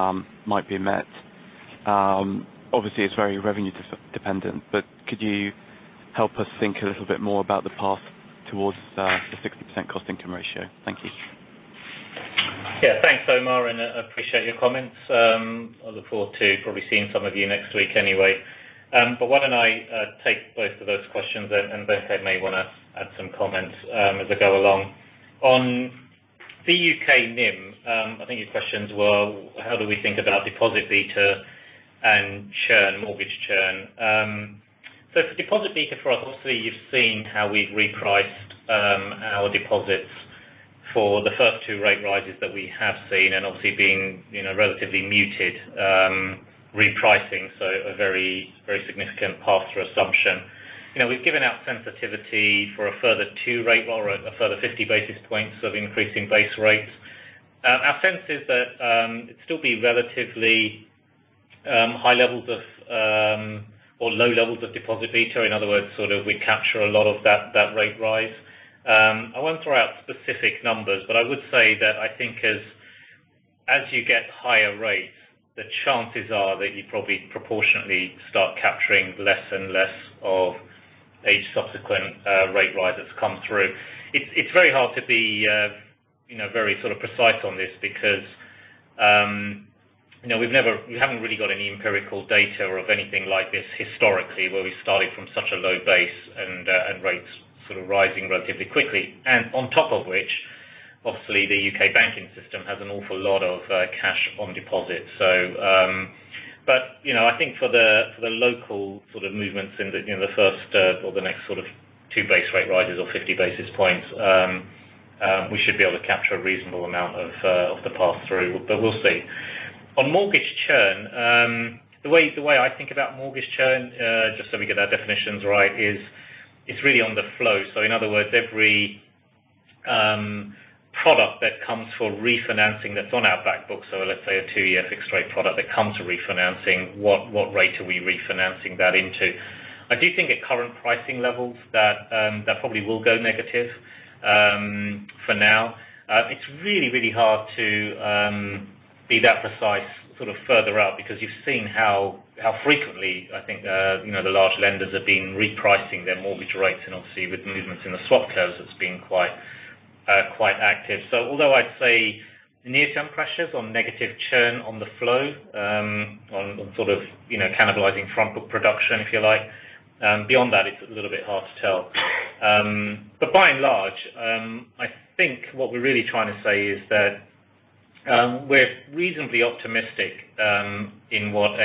60% might be met. Obviously it's very revenue dependent, but could you help us think a little bit more about the path towards the 60% cost income ratio? Thank you. Thanks, Omar, and I appreciate your comments. I look forward to probably seeing some of you next week anyway. Why don't I take both of those questions, and C.S. Venkatakrishnan may wanna add some comments as I go along. On the U.K. NIM, I think your questions were, how do we think about deposit beta and churn, mortgage churn. For deposit beta for us, obviously you've seen how we've repriced our deposits for the first two rate rises that we have seen, and obviously being, you know, relatively muted repricing, so a very, very significant pass-through assumption. You know, we've given out sensitivity for a further two rate, or a further 50 basis points of increasing base rates. Our sense is that it'd still be relatively high levels of, or low levels of deposit beta. In other words, sort of we capture a lot of that rate rise. I won't throw out specific numbers, but I would say that I think as you get higher rates, the chances are that you probably proportionately start capturing less and less of each subsequent rate rise that's come through. It's very hard to be you know, very sort of precise on this because you know, we haven't really got any empirical data of anything like this historically, where we started from such a low base and rates sort of rising relatively quickly. On top of which, obviously the U.K. banking system has an awful lot of cash on deposit. You know, I think for the local sort of movements in the, you know, the first or the next sort of two base rate rises or 50 basis points, we should be able to capture a reasonable amount of the pass-through, but we'll see. On mortgage churn, the way I think about mortgage churn, just so we get our definitions right, is it's really on the flow. So in other words, every product that comes for refinancing that's on our back book, so let's say a two-year fixed rate product that comes to refinancing, what rate are we refinancing that into? I do think at current pricing levels that that probably will go negative, for now. It's really hard to be that precise sort of further out, because you've seen how frequently, I think, you know, the large lenders have been repricing their mortgage rates and obviously with movements in the swap curves, it's been quite active. Although I'd say near-term pressures on negative churn on the flow, on sort of, you know, cannibalizing front book production, if you like, beyond that, it's a little bit hard to tell. By and large, I think what we're really trying to say is that we're reasonably optimistic in what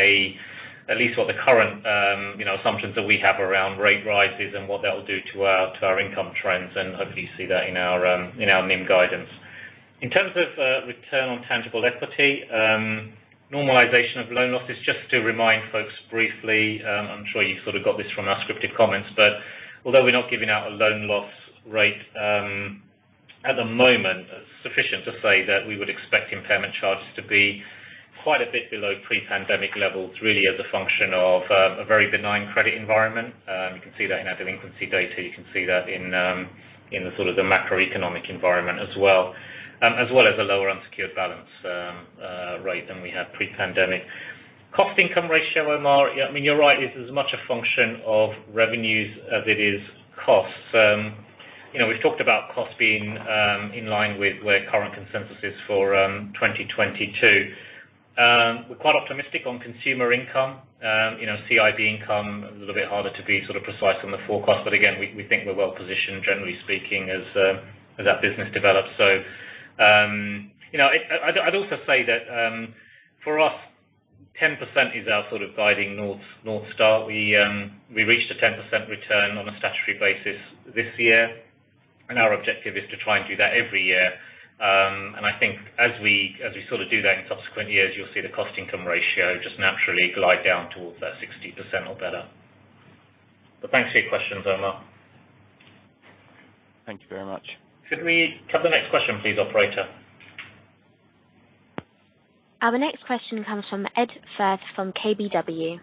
at least what the current, you know, assumptions that we have around rate rises and what that will do to our income trends, and hopefully you see that in our NIM guidance. In terms of return on tangible equity, normalization of loan losses, just to remind folks briefly, I'm sure you sort of got this from our scripted comments, but although we're not giving out a loan loss rate at the moment, suffice to say that we would expect impairment charges to be quite a bit below pre-pandemic levels, really as a function of a very benign credit environment. You can see that in our delinquency data. You can see that in the sort of macroeconomic environment as well as a lower unsecured balance rate than we had pre-pandemic. Cost income ratio, Omar. Yeah, I mean, you're right, it's as much a function of revenues as it is costs. You know, we've talked about costs being in line with where current consensus is for 2022. We're quite optimistic on consumer income. You know, CIB income, a little bit harder to be sort of precise on the forecast, but again, we think we're well positioned, generally speaking, as that business develops. You know, I'd also say that for us, 10% is our sort of guiding north star. We reached a 10% return on a statutory basis this year, and our objective is to try and do that every year. I think as we do that in subsequent years, you'll see the cost income ratio just naturally glide down towards that 60% or better. Thanks for your questions, Omar. Thank you very much. Could we have the next question please, Operator? Our next question comes from Ed Firth from KBW.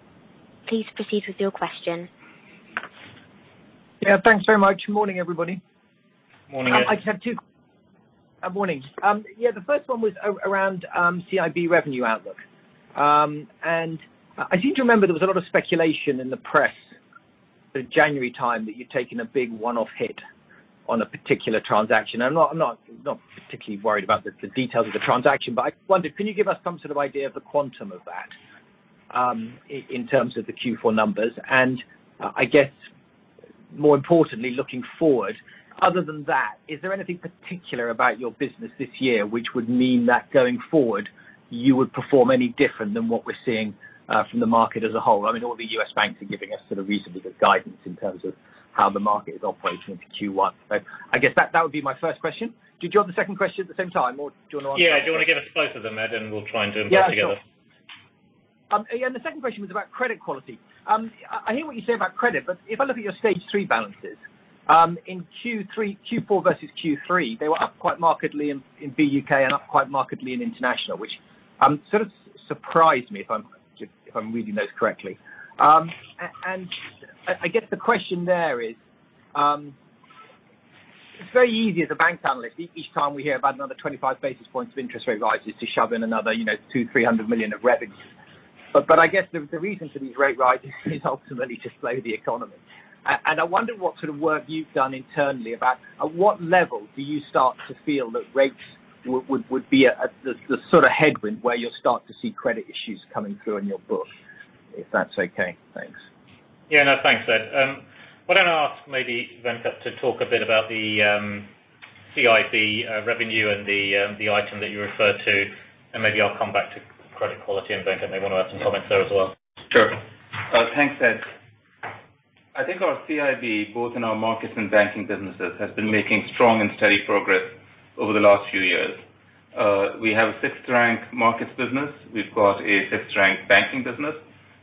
Please proceed with your question. Yeah, thanks very much. Morning, everybody. Morning, Ed. I just have two. Morning. Yeah, the first one was around CIB revenue outlook. I seem to remember there was a lot of speculation in the press in January time that you'd taken a big one-off hit on a particular transaction. I'm not particularly worried about the details of the transaction, but I wondered, can you give us some sort of idea of the quantum of that, in terms of the Q4 numbers? I guess more importantly, looking forward, other than that, is there anything particular about your business this year which would mean that going forward you would perform any different than what we're seeing from the market as a whole? I mean, all the U.S. banks are giving us sort of reasonably good guidance in terms of how the market is operating for Q1. I guess that would be my first question. Did you want the second question at the same time or do you wanna answer the first? Yeah. Do you wanna give us both of them, Ed, and we'll try and do them together? Yeah, sure. The second question was about credit quality. I hear what you say about credit, but if I look at your Stage3 balances in Q4 versus Q3, they were up quite markedly in BUK and up quite markedly in international, which sort of surprised me if I'm reading those correctly. I guess the question there is, it's very easy as a bank analyst, each time we hear about another 25 basis points of interest rate rises to shove in another, you know, 200 million-300 million of revenue. I guess the reason for these rate rises is ultimately to slow the economy. I wonder what sort of work you've done internally about at what level do you start to feel that rates would be the sort of headwind where you'll start to see credit issues coming through in your book? If that's okay. Thanks. Yeah. No, thanks, Ed. Why don't I ask maybe Venkat to talk a bit about the CIB revenue and the item that you referred to, and maybe I'll come back to credit quality, and Venkat may wanna add some comments there as well. Sure. Thanks, Ed. I think our CIB, both in our markets and banking businesses, has been making strong and steady progress over the last few years. We have a 6th-rank markets business. We've got a fifth-rank banking business.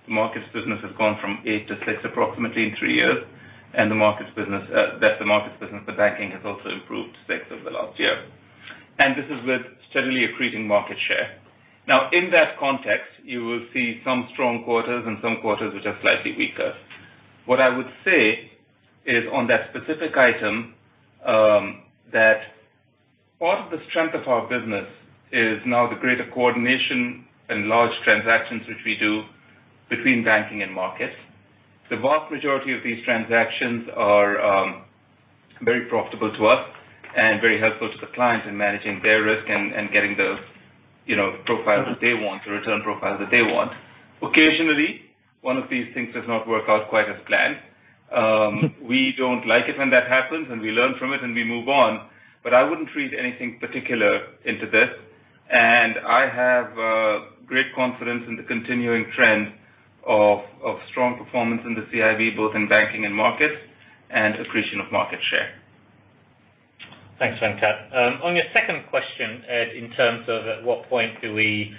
The markets business has gone from eight to six approximately in three years. The banking has also improved sixth over the last year. This is with steadily increasing market share. Now, in that context, you will see some strong quarters and some quarters which are slightly weaker. What I would say is on that specific item, that part of the strength of our business is now the greater coordination and large transactions which we do between banking and markets. The vast majority of these transactions are very profitable to us and very helpful to the client in managing their risk and getting the, you know, the profile that they want, the return profile that they want. Occasionally, one of these things does not work out quite as planned. We don't like it when that happens, and we learn from it, and we move on. I wouldn't read anything particular into this. I have great confidence in the continuing trend of strong performance in the CIB, both in banking and markets, and accretion of market share. Thanks, Venkat. On your second question, Ed, in terms of at what point do we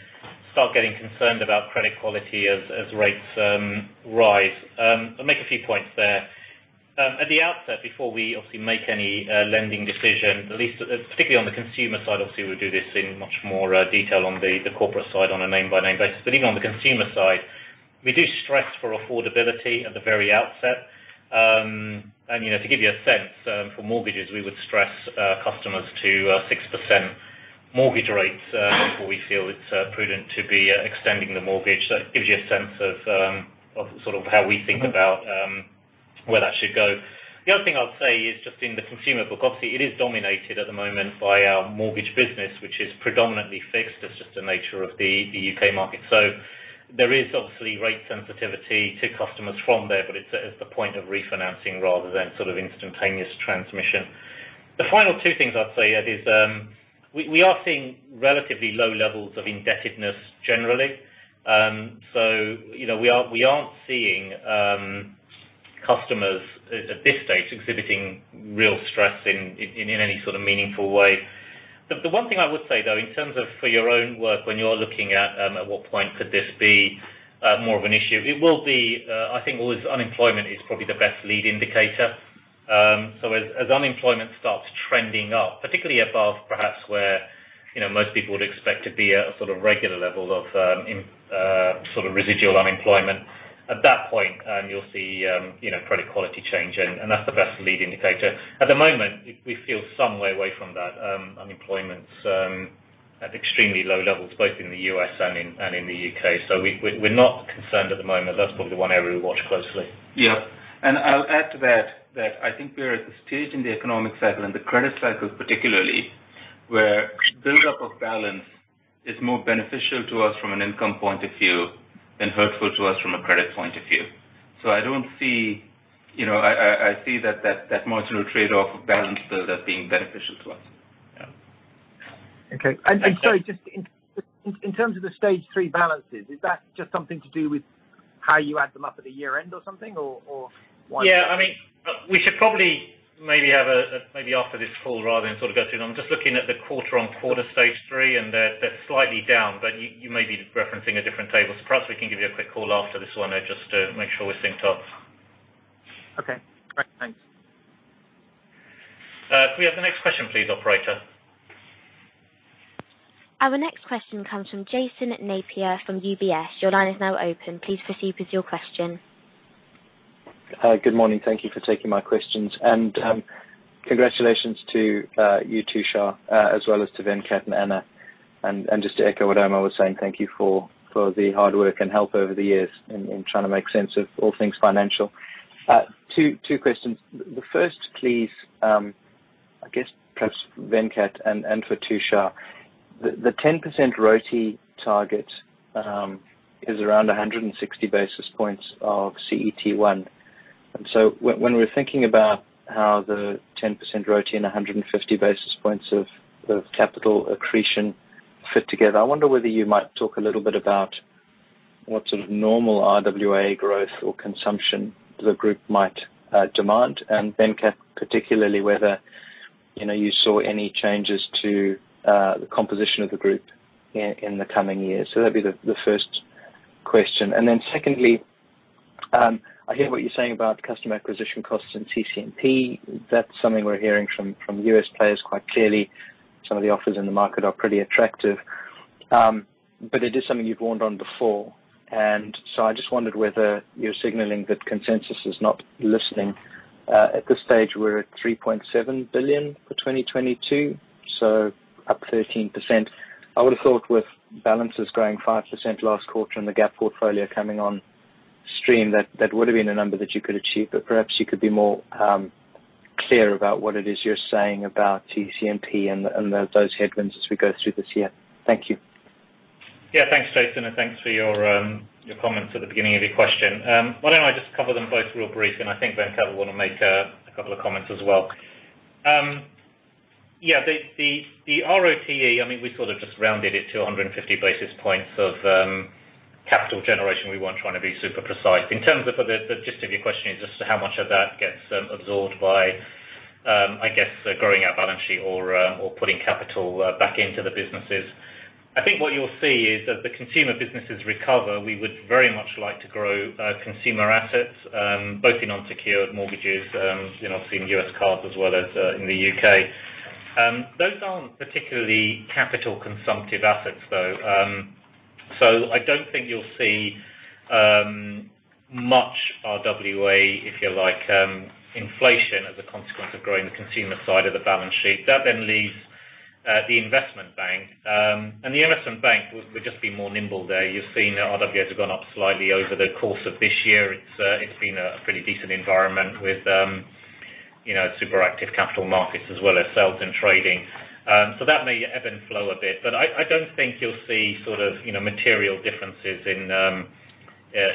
start getting concerned about credit quality as rates rise, I'll make a few points there. At the outset, before we obviously make any lending decision, at least particularly on the consumer side, obviously we do this in much more detail on the corporate side on a name-by-name basis. Even on the consumer side, we do stress for affordability at the very outset. You know, to give you a sense, for mortgages, we would stress customers to 6% mortgage rates before we feel it's prudent to be extending the mortgage. It gives you a sense of sort of how we think about where that should go. The other thing I'd say is just in the consumer book, obviously it is dominated at the moment by our mortgage business, which is predominantly fixed. That's just the nature of the U.K. market. There is obviously rate sensitivity to customers from there, but it's at the point of refinancing rather than sort of instantaneous transmission. The final two things I'd say, Ed, is we are seeing relatively low levels of indebtedness generally. You know, we aren't seeing customers at this stage exhibiting real stress in any sort of meaningful way. The one thing I would say though, in terms of for your own work when you're looking at what point could this be more of an issue, it will be I think always unemployment is probably the best lead indicator. As unemployment starts trending up, particularly above perhaps where you know most people would expect to be at a sort of regular level of sort of residual unemployment, at that point you'll see you know credit quality change, and that's the best lead indicator. At the moment, we feel some way away from that. Unemployment's at extremely low levels, both in the U.S. and in the U.K. We're not concerned at the moment. That's probably the one area we watch closely. Yeah. I'll add to that I think we are at the stage in the economic cycle, and the credit cycle particularly, where buildup of balance is more beneficial to us from an income point of view than hurtful to us from a credit point of view. I don't see. You know, I see that marginal trade-off of balance buildup being beneficial to us. Okay. Sorry, just in terms of the Stage 3 balances, is that just something to do with how you add them up at the year-end or something, or why? Yeah, I mean, we should probably maybe have a maybe after this call rather than sort of go through it. I'm just looking at the quarter-on-quarter Stage 3, and they're slightly down, but you may be referencing a different table. Perhaps we can give you a quick call after this one just to make sure we're synced up. Okay. All right, thanks. Can we have the next question please, Operator? Our next question comes from Jason Napier from UBS. Your line is now open. Please proceed with your question. Good morning. Thank you for taking my questions. Congratulations to you, Tushar, as well as to Venkat and Anna. Just to echo what Anna was saying, thank you for the hard work and help over the years in trying to make sense of all things financial. Two questions. The first please, I guess perhaps Venkat and for Tushar. The 10% ROTE target is around 160 basis points of CET1. When we're thinking about how the 10% ROTE and 150 basis points of capital accretion fit together, I wonder whether you might talk a little bit about what sort of normal RWA growth or consumption the group might demand. Venkat, particularly, whether you saw any changes to the composition of the group in the coming years. That'd be the first question. Secondly, I hear what you're saying about customer acquisition costs and CC&P. That's something we're hearing from U.S. players quite clearly. Some of the offers in the market are pretty attractive. It is something you've warned on before. I just wondered whether you're signaling that consensus is not listening. At this stage we're at 3.7 billion for 2022, so up 13%. I would have thought with balances growing 5% last quarter and the gap portfolio coming on stream, that would have been a number that you could achieve. Perhaps you could be more clear about what it is you're saying about TCMP and those headwinds as we go through this year. Thank you. Yeah. Thanks, Jason, and thanks for your comments at the beginning of your question. Why don't I just cover them both real brief, and I think Venkat will wanna make a couple of comments as well. Yeah, the ROTE, I mean, we sort of just rounded it to 150 basis points of capital generation. We weren't trying to be super precise. In terms of the gist of your question is just how much of that gets absorbed by, I guess growing our balance sheet or putting capital back into the businesses. I think what you'll see is as the consumer businesses recover, we would very much like to grow consumer assets, both in unsecured mortgages, you know, obviously in U.S. cards as well as in the U.K. Those aren't particularly capital consumptive assets though. I don't think you'll see much RWA, if you like, inflation as a consequence of growing the consumer side of the balance sheet. That then leaves the investment bank. We'll just be more nimble there. You've seen RWAs have gone up slightly over the course of this year. It's been a pretty decent environment with you know, super active capital markets as well as sales and trading. That may ebb and flow a bit, but I don't think you'll see sort of you know, material differences in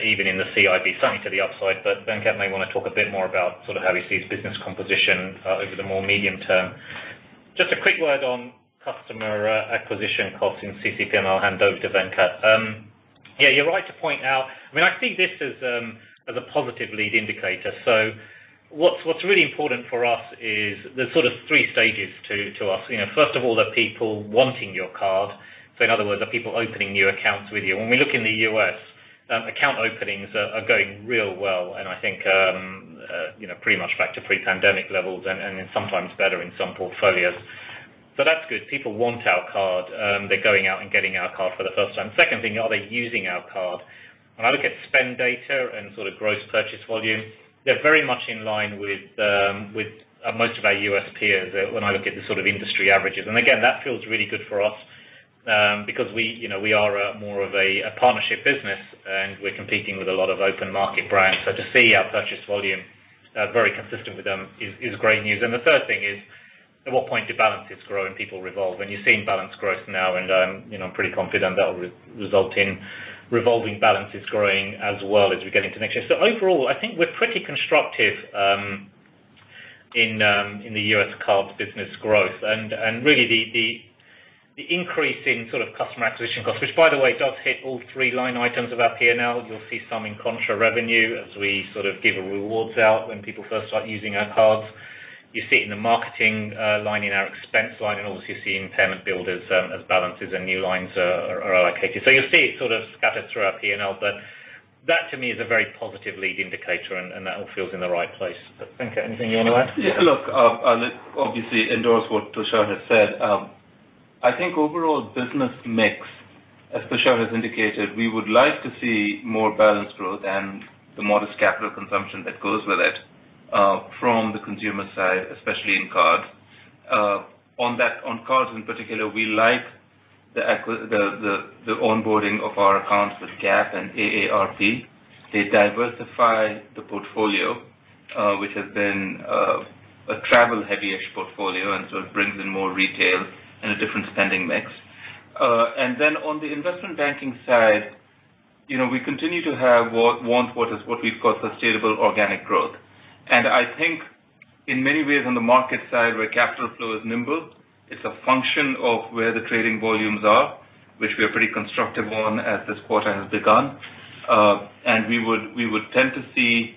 even in the CIB slightly to the upside, but Venkat may wanna talk a bit more about sort of how he sees business composition over the more medium term. Just a quick word on customer acquisition costs in CCP, and I'll hand over to Venkat. Yeah, you're right to point out. I mean, I see this as a positive lead indicator. What's really important for us is there's sort of three stages to us. You know, first of all, the people wanting your card. In other words, are people opening new accounts with you? When we look in the U.S., account openings are going real well, and I think you know, pretty much back to pre-pandemic levels and sometimes better in some portfolios. That's good. People want our card. They're going out and getting our card for the first time. Second thing, are they using our card? When I look at spend data and sort of gross purchase volume, they're very much in line with with most of our U.S. peers when I look at the sort of industry averages. Again, that feels really good for us because we, you know, we are more of a partnership business, and we're competing with a lot of open market brands. To see our purchase volume very consistent with them is great news. The third thing is at what point do balances grow and people revolve? You're seeing balance growth now, and you know, I'm pretty confident that'll result in revolving balances growing as well as we get into next year. Overall, I think we're pretty constructive in the U.S. cards business growth. really the increase in sort of customer acquisition costs, which by the way, does hit all three line items of our P&L. You'll see some in contra revenue as we sort of give our rewards out when people first start using our cards. You see it in the marketing line, in our expense line, and obviously you see it in payment build as balances and new lines are allocated. You'll see it sort of scattered through our P&L, but that to me is a very positive lead indicator and that all feels in the right place. Venkat, anything you wanna add? Yeah, look, I'll obviously endorse what Tushar has said. I think overall business mix, as Tushar has indicated, we would like to see more balanced growth and the modest capital consumption that goes with it, from the consumer side, especially in cards. On that, on cards in particular, we like the onboarding of our accounts with Gap and AARP. They diversify the portfolio, which has been a travel heavy-ish portfolio, and so it brings in more retail and a different spending mix. On the investment banking side You know, we continue to have what we've got: sustainable organic growth. I think in many ways, on the market side, where capital flow is nimble, it's a function of where the trading volumes are, which we are pretty constructive on as this quarter has begun. We would tend to see,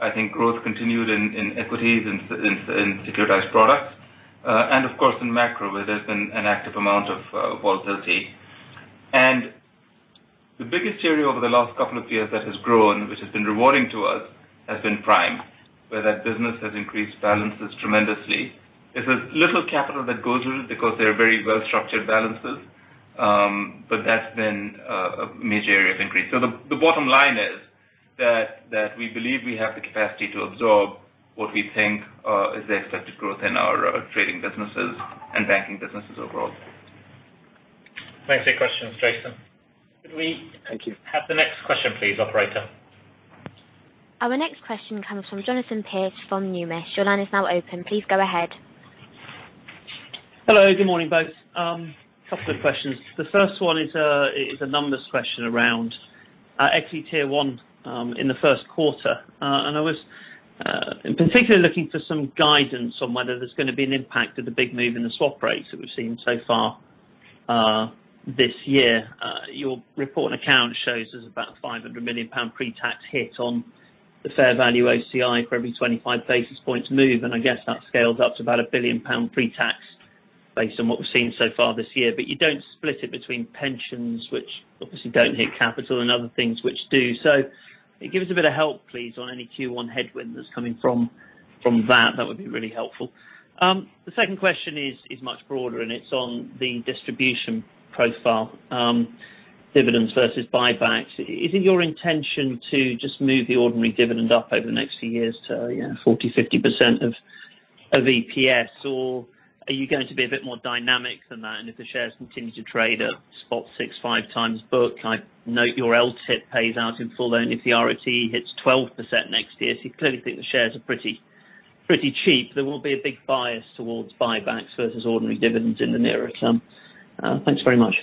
I think, growth continued in equities and securitized products. Of course, in macro, where there's been an active amount of volatility. The biggest area over the last couple of years that has grown, which has been rewarding to us, has been prime, where that business has increased balances tremendously. It's a little capital that goes in it because they're very well-structured balances. That's been a major area of increase. The bottom line is that we believe we have the capacity to absorb what we think is the expected growth in our trading businesses and banking businesses overall. Thanks for your questions, Jason. Thank you. Have the next question please, Operator? Our next question comes from Jonathan Pierce from Numis. Your line is now open. Please go ahead. Hello. Good morning, both. Couple of questions. The first one is a numbers question around equity Tier 1 in the first quarter. I was particularly looking for some guidance on whether there's gonna be an impact of the big move in the swap rates that we've seen so far this year. Your report and account shows there's about 500 million pound pre-tax hit on the fair value OCI for every 25 basis points move, and I guess that scales up to about 1 billion pound pre-tax based on what we've seen so far this year. But you don't split it between pensions, which obviously don't hit capital, and other things which do. Give us a bit of help, please, on any Q1 headwind that's coming from that. That would be really helpful. The second question is much broader, and it's on the distribution profile, dividends versus buybacks. Is it your intention to just move the ordinary dividend up over the next few years to, yeah, 40%-50% of EPS? Or are you going to be a bit more dynamic than that? If the shares continue to trade at 0.65x book, I note your LTIP pays out in full only if the RoTE hits 12% next year. You clearly think the shares are pretty cheap. There won't be a big bias towards buybacks versus ordinary dividends in the nearer term. Thanks very much.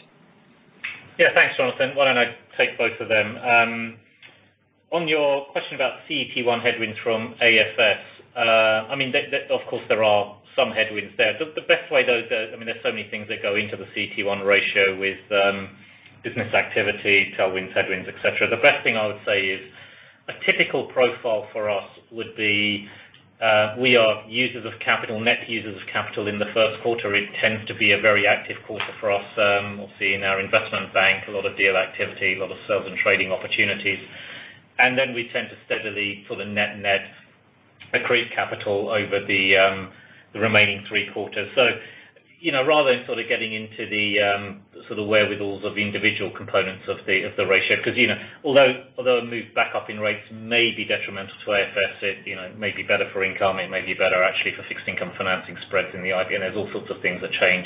Thanks, Jonathan. Why don't I take both of them? On your question about CET1 headwinds from AFS, I mean, of course, there are some headwinds there. The best way, though, I mean, there's so many things that go into the CET1 ratio with business activity, tailwinds, headwinds, et cetera. The best thing I would say is a typical profile for us would be, we are users of capital, net users of capital in the first quarter. It tends to be a very active quarter for us. We'll see in our investment bank a lot of deal activity, a lot of sales and trading opportunities. Then we tend to steadily sort of net accrue capital over the remaining three quarters. Rather than getting into the wherewithals of the individual components of the ratio, 'cause you know, although a move back up in rates may be detrimental to AFS, it you know, may be better for income, it may be better actually for fixed income financing spreads in the IG. There's all sorts of things that change.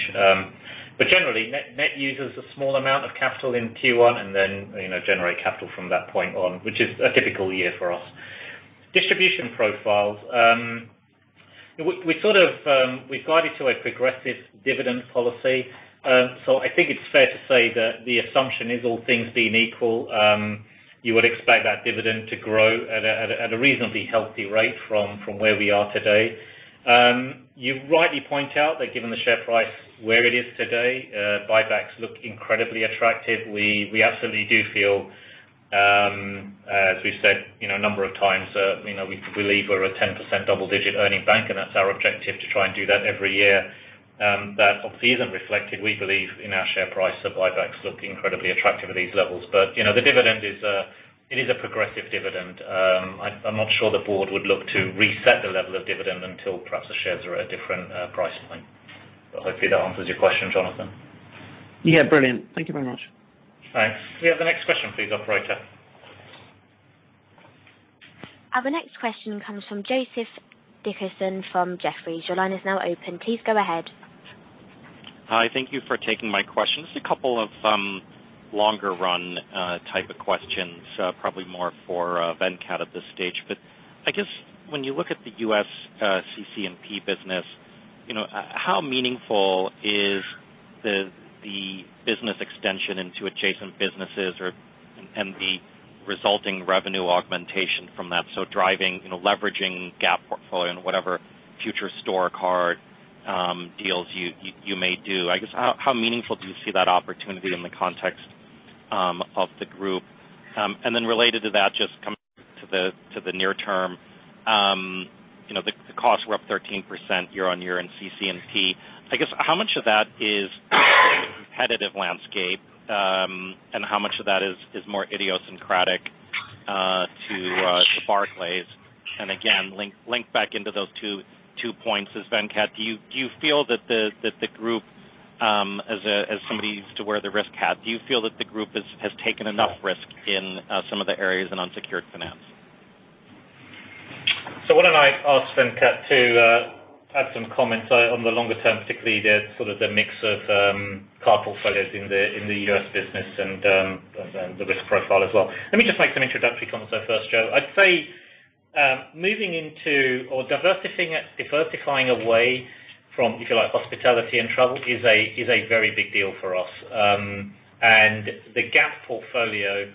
Generally, net uses a small amount of capital in Q1, and then you know, generate capital from that point on, which is a typical year for us. Distribution profiles. We sort of. We've guided to a progressive dividend policy. I think it's fair to say that the assumption is all things being equal, you would expect that dividend to grow at a reasonably healthy rate from where we are today. You rightly point out that given the share price where it is today, buybacks look incredibly attractive. We absolutely do feel, as we said, you know, a number of times, you know, we believe we're a 10% double-digit earning bank, and that's our objective, to try and do that every year. That obviously isn't reflected, we believe, in our share price. Buybacks look incredibly attractive at these levels. You know, the dividend is, it is a progressive dividend. I'm not sure the board would look to reset the level of dividend until perhaps the shares are at a different price point. Hopefully that answers your question, Jonathan. Yeah, brilliant. Thank you very much. Thanks. Can we have the next question please, Operator? Our next question comes from Joseph Dickerson from Jefferies. Your line is now open. Please go ahead. Hi. Thank you for taking my questions. A couple of longer run type of questions probably more for Venkat at this stage. I guess when you look at the U.S. CC&P business, you know, how meaningful is the business extension into adjacent businesses or and the resulting revenue augmentation from that? Driving, you know, leveraging Gap portfolio and whatever future store card deals you may do. I guess how meaningful do you see that opportunity in the context of the group? And then related to that, just coming to the near term, you know, the costs were up 13% year-on-year in CC&P. I guess how much of that is competitive landscape and how much of that is more idiosyncratic to Barclays? Link back into those two points as Venkat. Do you feel that the group, as somebody who used to wear the risk hat, has taken enough risk in some of the areas in unsecured finance? Why don't I ask Venkat to add some comments on the longer term, particularly the sort of the mix of card portfolios in the U.S. business and the risk profile as well. Let me just make some introductory comments there first, Joe. I'd say moving into or diversifying away from, if you like, hospitality and travel is a very big deal for us. And the Gap portfolio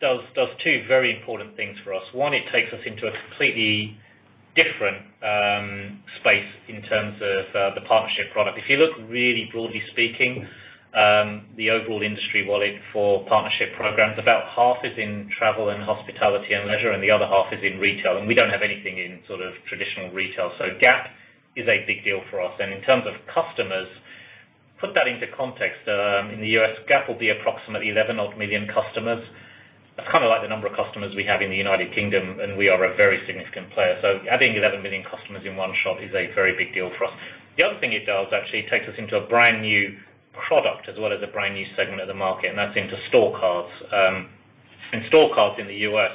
does two very important things for us. One, it takes us into a completely different space in terms of the partnership product. If you look really broadly speaking, the overall industry wallet for partnership programs, about half is in travel and hospitality and leisure, and the other half is in retail, and we don't have anything in sort of traditional retail. Gap is a big deal for us. In terms of customers, put that into context. In the U.S., Gap will be approximately 11 odd million customers. That's kind of like the number of customers we have in the United Kingdom, and we are a very significant player. Adding 11 million customers in one shot is a very big deal for us. The other thing it does actually takes us into a brand new product as well as a brand new segment of the market, and that's into store cards. Store cards in the U.S.,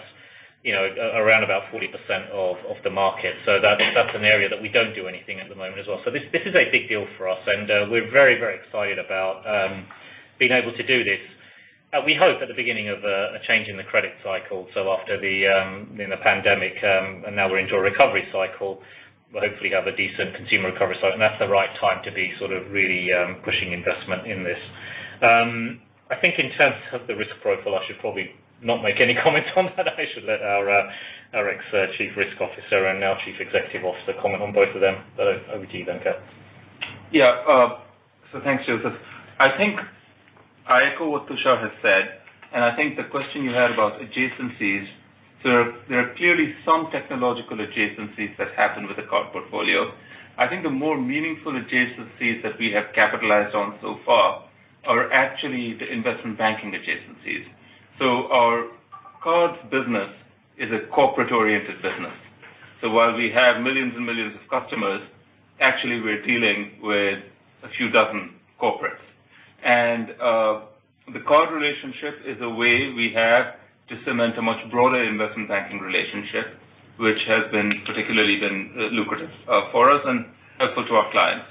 you know, around about 40% of the market. That's an area that we don't do anything at the moment as well. This is a big deal for us, and we're very, very excited about being able to do this. We hope at the beginning of a change in the credit cycle, so after, you know, the pandemic, and now we're into a recovery cycle. We'll hopefully have a decent consumer recovery cycle, and that's the right time to be sort of really pushing investment in this. I think in terms of the risk profile, I should probably not make any comments on that. I should let our ex-Chief Risk Officer and now Chief Executive Officer comment on both of them. Over to you, Venkat. Thanks, Joseph. I think I echo what Tushar has said, and I think the question you had about adjacencies. There are clearly some technological adjacencies that happen with the card portfolio. I think the more meaningful adjacencies that we have capitalized on so far are actually the investment banking adjacencies. Our cards business is a corporate-oriented business. While we have millions and millions of customers, actually we're dealing with a few dozen corporates. The card relationship is a way we have to cement a much broader investment banking relationship, which has been particularly lucrative for us and helpful to our clients.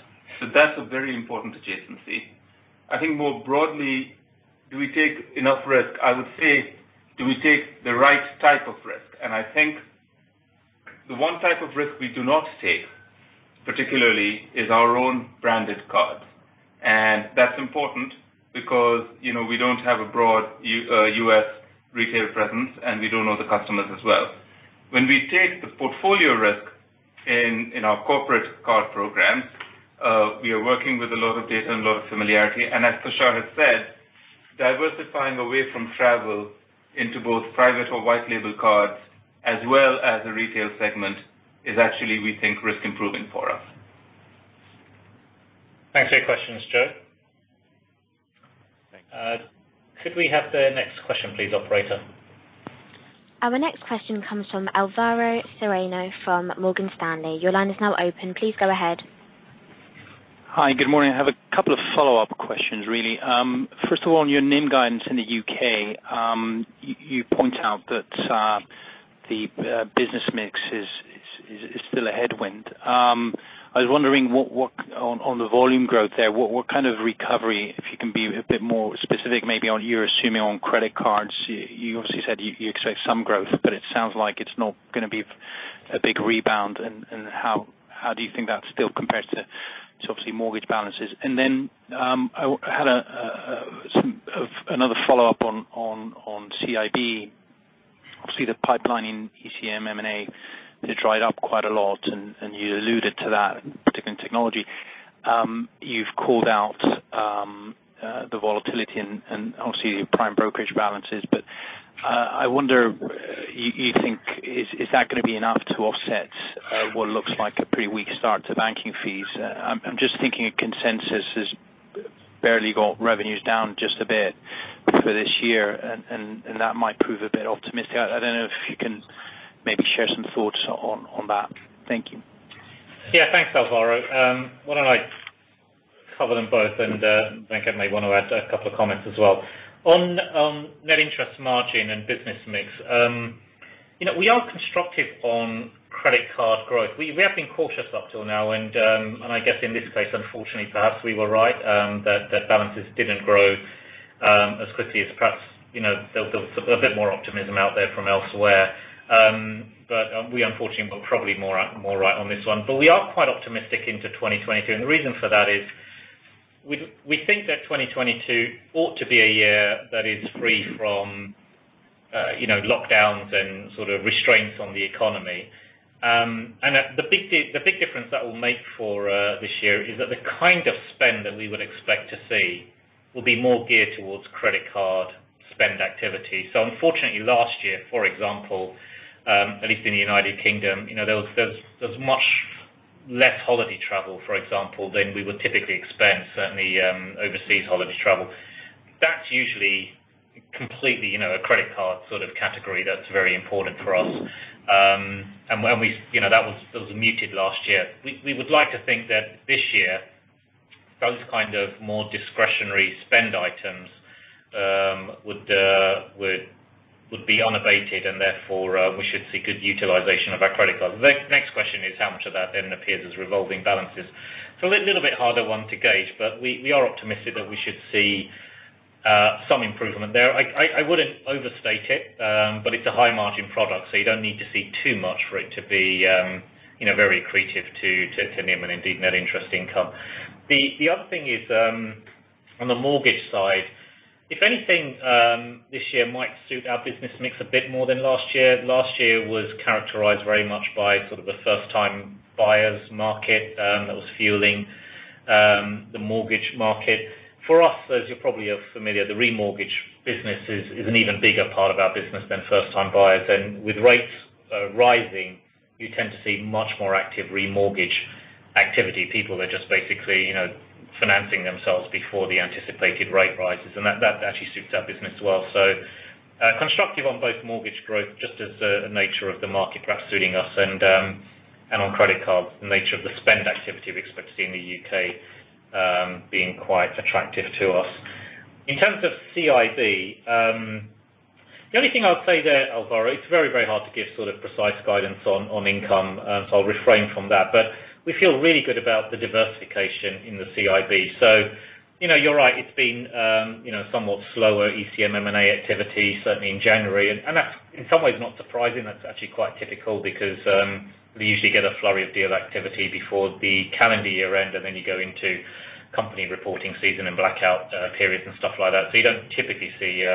That's a very important adjacency. I think more broadly, do we take enough risk? I would say, do we take the right type of risk? I think the one type of risk we do not take, particularly, is our own branded cards. That's important because, you know, we don't have a broad U.S. retail presence, and we don't know the customers as well. When we take the portfolio risk in our corporate card programs, we are working with a lot of data and a lot of familiarity. As Tushar has said, diversifying away from travel into both private or white label cards as well as the retail segment is actually, we think, risk improving for us. Thanks for your questions, Joe. Thank you. Could we have the next question please, Operator? Our next question comes from Alvaro Serrano from Morgan Stanley. Your line is now open. Please go ahead. Hi. Good morning. I have a couple of follow-up questions really. First of all, on your NIM guidance in the U.K., you point out that the business mix is still a headwind. I was wondering what on the volume growth there, what kind of recovery, if you can be a bit more specific maybe on what you're assuming on credit cards. You obviously said you expect some growth, but it sounds like it's not gonna be a big rebound. How do you think that still compares to obviously mortgage balances? Then I had another follow-up on CIB. Obviously, the pipeline in ECM, M&A has dried up quite a lot and you alluded to that, particularly in technology. You've called out the volatility and obviously your prime brokerage balances. I wonder, you think is that gonna be enough to offset what looks like a pretty weak start to banking fees? I'm just thinking a consensus has barely got revenues down just a bit for this year and that might prove a bit optimistic. I don't know if you can maybe share some thoughts on that. Thank you. Yeah. Thanks, Alvaro. Why don't I cover them both, and Venkat may want to add a couple of comments as well. On net interest margin and business mix, you know, we are constructive on credit card growth. We have been cautious up till now, and I guess in this case, unfortunately, perhaps we were right that balances didn't grow as quickly as perhaps, you know. There was a bit more optimism out there from elsewhere. We unfortunately were probably more right on this one. We are quite optimistic into 2022, and the reason for that is we think that 2022 ought to be a year that is free from, you know, lockdowns and sort of restraints on the economy. The big difference that will make for this year is that the kind of spend that we would expect to see will be more geared towards credit card spend activity. Unfortunately last year, for example, at least in the United Kingdom, you know, there was much less holiday travel, for example, than we would typically expect, certainly, overseas holiday travel. That's usually completely, you know, a credit card sort of category that's very important for us. You know, that was muted last year. We would like to think that this year, those kind of more discretionary spend items would be unabated and therefore we should see good utilization of our credit cards. The next question is how much of that then appears as revolving balances. It's a little bit harder one to gauge, but we are optimistic that we should see some improvement there. I wouldn't overstate it, but it's a high margin product, so you don't need to see too much for it to be, you know, very accretive to NIM and indeed net interest income. The other thing is, on the mortgage side, if anything, this year might suit our business mix a bit more than last year. Last year was characterized very much by sort of a first time buyer's market that was fueling the mortgage market. For us, as you probably are familiar, the remortgage business is an even bigger part of our business than first time buyers. With rates rising, you tend to see much more active remortgage activity. People are just basically, you know, financing themselves before the anticipated rate rises, and that actually suits our business well. Constructive on both mortgage growth, just as the nature of the market perhaps suiting us and on credit cards, the nature of the spend activity we're expecting in the U.K. being quite attractive to us. In terms of CIB, the only thing I'll say there, Alvaro, it's very hard to give sort of precise guidance on income, so I'll refrain from that. But we feel really good about the diversification in the CIB. You know, you're right. It's been you know, somewhat slower ECM M&A activity, certainly in January. That's in some ways not surprising. That's actually quite typical because we usually get a flurry of deal activity before the calendar year end, and then you go into company reporting season and blackout periods and stuff like that. You don't typically see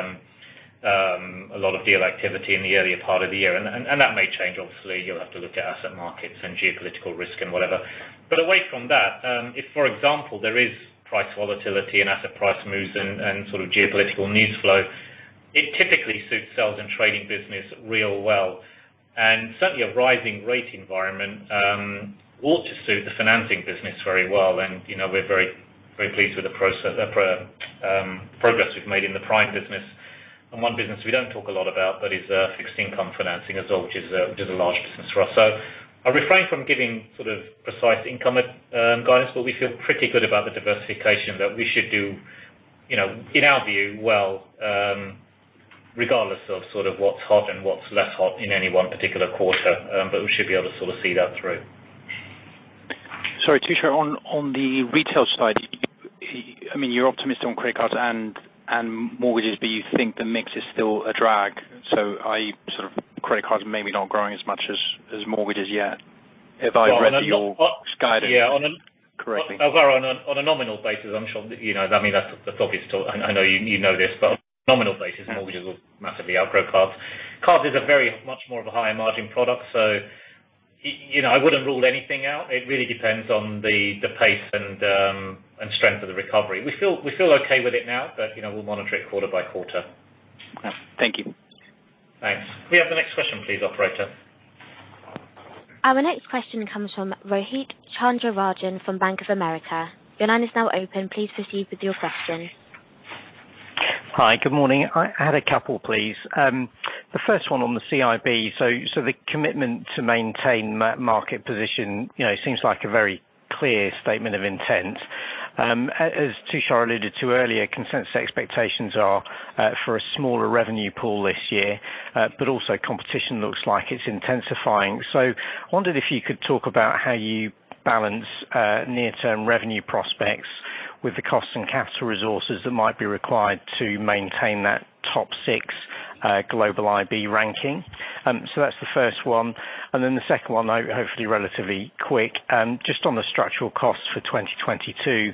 a lot of deal activity in the earlier part of the year. That may change. Obviously, you'll have to look at asset markets and geopolitical risk and whatever. Away from that, if for example, there is price volatility and asset price moves and sort of geopolitical news flow, it typically suits sales and trading business real well. Certainly a rising rate environment ought to suit the financing business very well. You know, we're very, very pleased with the progress we've made in the prime business. One business we don't talk a lot about, but is fixed income financing as well, which is a large business for us. I'll refrain from giving sort of precise income guidance, but we feel pretty good about the diversification that we should do, you know, in our view, well, regardless of sort of what's hot and what's less hot in any one particular quarter. We should be able to sort of see that through. Sorry, Tushar, on the retail side, I mean, you're optimistic on credit cards and mortgages, but you think the mix is still a drag. Are you sort of credit cards maybe not growing as much as mortgages yet? If I read your guidance correctly. Alvaro, on a nominal basis, I'm sure you know, I mean, that's the obvious talk. I know you know this, but on a nominal basis, mortgages will massively outgrow cards. Cards is a very much more of a higher margin product. So you know, I wouldn't rule anything out. It really depends on the pace and strength of the recovery. We feel okay with it now, but you know, we'll monitor it quarter by quarter. Thank you. Thanks. Can we have the next question please, Operator? Our next question comes from Rohith Chandra-Rajan from Bank of America. Your line is now open. Please proceed with your question. Hi, good morning. I had a couple, please. The first one on the CIB. The commitment to maintain market position, you know, seems like a very clear statement of intent. As Tushar alluded to earlier, consensus expectations are for a smaller revenue pool this year. But also competition looks like it's intensifying. Wondered if you could talk about how you balance near-term revenue prospects with the cost and capital resources that might be required to maintain that top six global IB ranking. That's the first one. Then the second one, hopefully relatively quick. Just on the structural costs for 2022,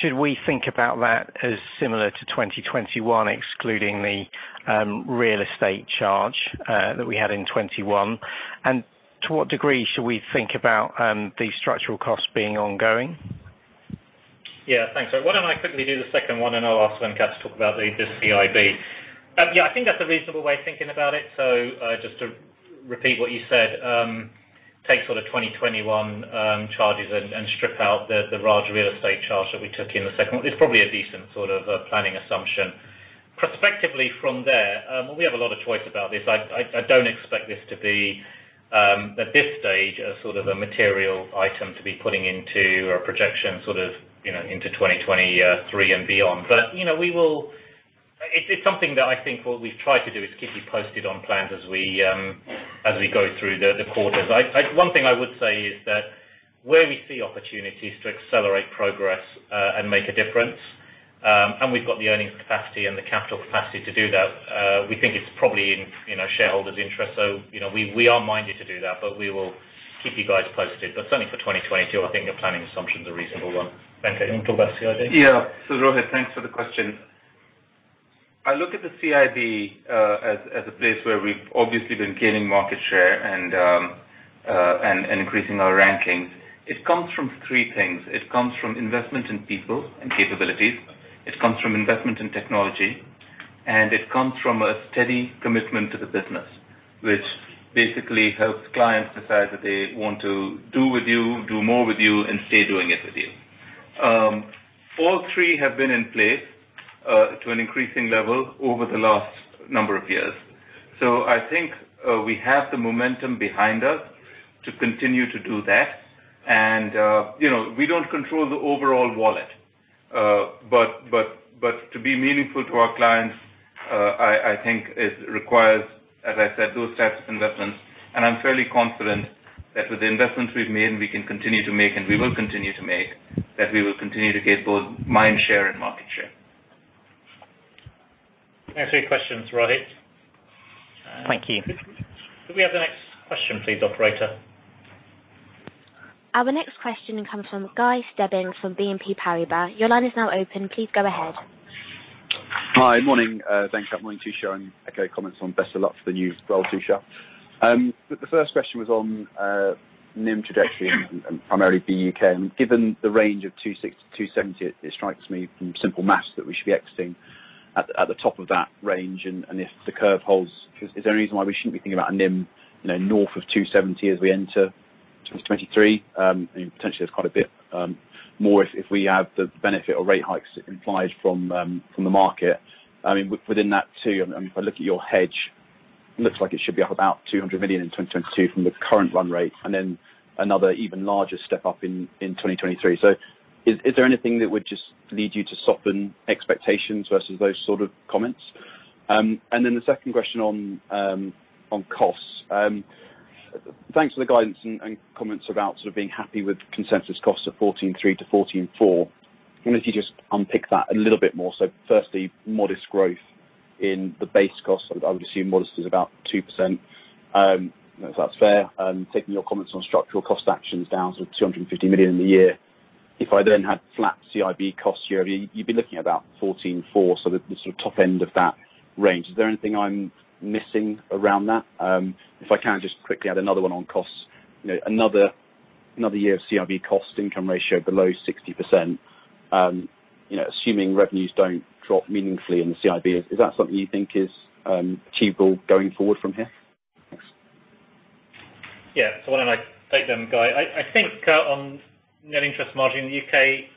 should we think about that as similar to 2021, excluding the real estate charge that we had in 2021? To what degree should we think about the structural costs being ongoing? Yeah, thanks. Why don't I quickly do the second one, and I'll ask Venkat to talk about the CIB. Yeah, I think that's a reasonable way of thinking about it. Just to repeat what you said, take sort of 2021 charges and strip out the large real estate charge that we took in the second one. It's probably a decent sort of planning assumption. Prospectively from there, we have a lot of choice about this. I don't expect this to be, at this stage, a sort of a material item to be putting into our projection, sort of, you know, into 2023 and beyond. But, you know, we will... It's something that I think what we've tried to do is keep you posted on plans as we go through the quarters. One thing I would say is that where we see opportunities to accelerate progress and make a difference and we've got the earnings capacity and the capital capacity to do that, we think it's probably in, you know, shareholders' interest. You know, we are minded to do that, but we will keep you guys posted. Certainly for 2022, I think your planning assumption is a reasonable one. Venkat, you want to talk about CIB? Yeah. Rohith, thanks for the question. I look at the CIB as a place where we've obviously been gaining market share and increasing our rankings. It comes from three things. It comes from investment in people and capabilities. It comes from investment in technology. It comes from a steady commitment to the business, which basically helps clients decide that they want to do with you, do more with you, and stay doing it with you. All three have been in place to an increasing level over the last number of years. I think we have the momentum behind us to continue to do that. You know, we don't control the overall wallet. But to be meaningful to our clients. I think it requires, as I said, those types of investments, and I'm fairly confident that with the investments we've made, and we can continue to make, and we will continue to make, that we will continue to gain both mind share and market share. Can I ask you questions, Rohit? Thank you. Could we have the next question please, Operator? Our next question comes from Guy Stebbings from BNP Paribas. Your line is now open. Please go ahead. Hi. Morning. Good morning, Tushar, and okay, comments on best of luck for the new role, Tushar. The first question was on NIM trajectory and primarily the U.K. Given the range of 2.60%-2.70%, it strikes me from simple math that we should be exiting at the top of that range. If the curve holds, is there any reason why we shouldn't be thinking about a NIM, you know, north of 2.70 as we enter 2023? I mean potentially there's quite a bit more if we add the benefit of rate hikes implied from the market. I mean within that too, I mean, if I look at your hedge, looks like it should be up about 200 million in 2022 from the current run rate, and then another even larger step up in 2023. Is there anything that would just lead you to soften expectations versus those sort of comments? And then the second question on costs. Thanks for the guidance and comments about sort of being happy with consensus costs of 14.3 billion-14.4 billion. I wonder if you just unpick that a little bit more. Firstly, modest growth in the base cost. I would assume modest is about 2%, if that's fair. Taking your comments on structural cost actions down sort of 250 million in the year. If I then had flat CIB costs year-over-year, you'd be looking about 144, so the sort of top end of that range. Is there anything I'm missing around that? If I can just quickly add another one on costs. You know, another year of CIB cost-income ratio below 60%. You know, assuming revenues don't drop meaningfully in the CIB, is that something you think is achievable going forward from here? Thanks. Yeah. Why don't I take them, Guy. I think on net interest margin in the U.K.,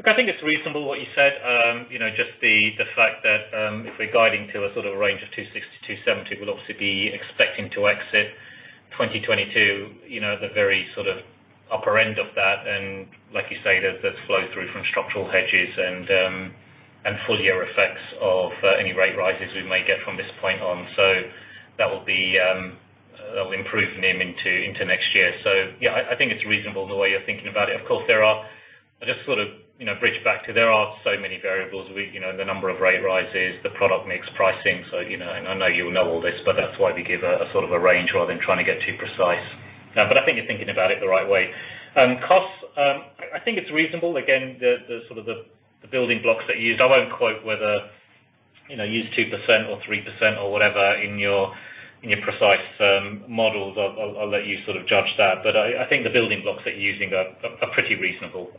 look, I think it's reasonable what you said. You know, just the fact that, if we're guiding to a sort of range of 2.60%-2.70%, we'll obviously be expecting to exit 2022, you know, at the very sort of upper end of that. Like you say, that's flow through from structural hedges and full year effects of any rate rises we may get from this point on. That will improve NIM into next year. Yeah, I think it's reasonable the way you're thinking about it. Of course, there are so many variables. I'll just sort of, you know, bridge back to that. You know, the number of rate rises, the product mix pricing. You know, and I know you'll know all this, but that's why we give a sort of a range rather than trying to get too precise. I think you're thinking about it the right way. Costs, I think it's reasonable. Again, the building blocks that you used. I won't quote whether, you know, use 2% or 3% or whatever in your precise models. I'll let you sort of judge that. I think the building blocks that you're using are pretty reasonable.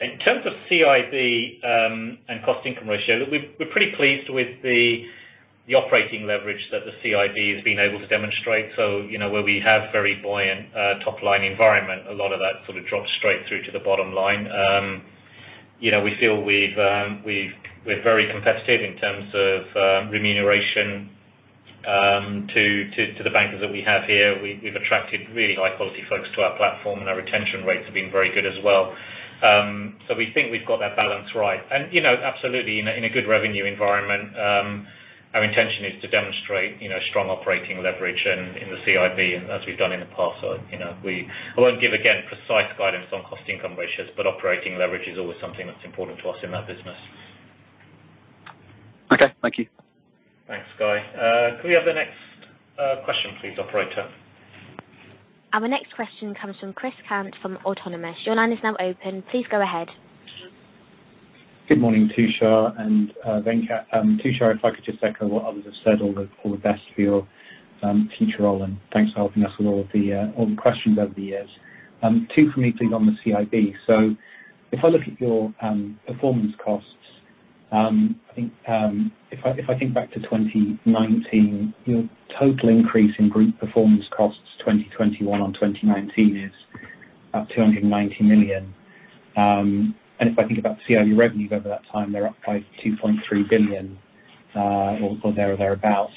In terms of CIB and cost-income ratio, look, we're pretty pleased with the operating leverage that the CIB has been able to demonstrate. You know, where we have very buoyant top line environment, a lot of that sort of drops straight through to the bottom line. You know, we feel we're very competitive in terms of remuneration to the bankers that we have here. We've attracted really high quality folks to our platform, and our retention rates have been very good as well. We think we've got that balance right. You know, absolutely in a good revenue environment, our intention is to demonstrate, you know, strong operating leverage in the CIB, and as we've done in the past. You know, I won't give again precise guidance on cost income ratios, but operating leverage is always something that's important to us in that business. Okay. Thank you. Thanks, Guy. Could we have the next question please, Operator? Our next question comes from Christopher Cant from Autonomous. Your line is now open. Please go ahead. Good morning, Tushar and Venkat. Tushar, if I could just echo what others have said, all the best for your future role, and thanks for helping us with all of the questions over the years. Two for me, please, on the CIB. If I look at your performance costs, I think, if I think back to 2019, your total increase in group performance costs 2021 on 2019 is up £290 million. If I think about CIB revenues over that time, they're up by £2.3 billion, or thereabout.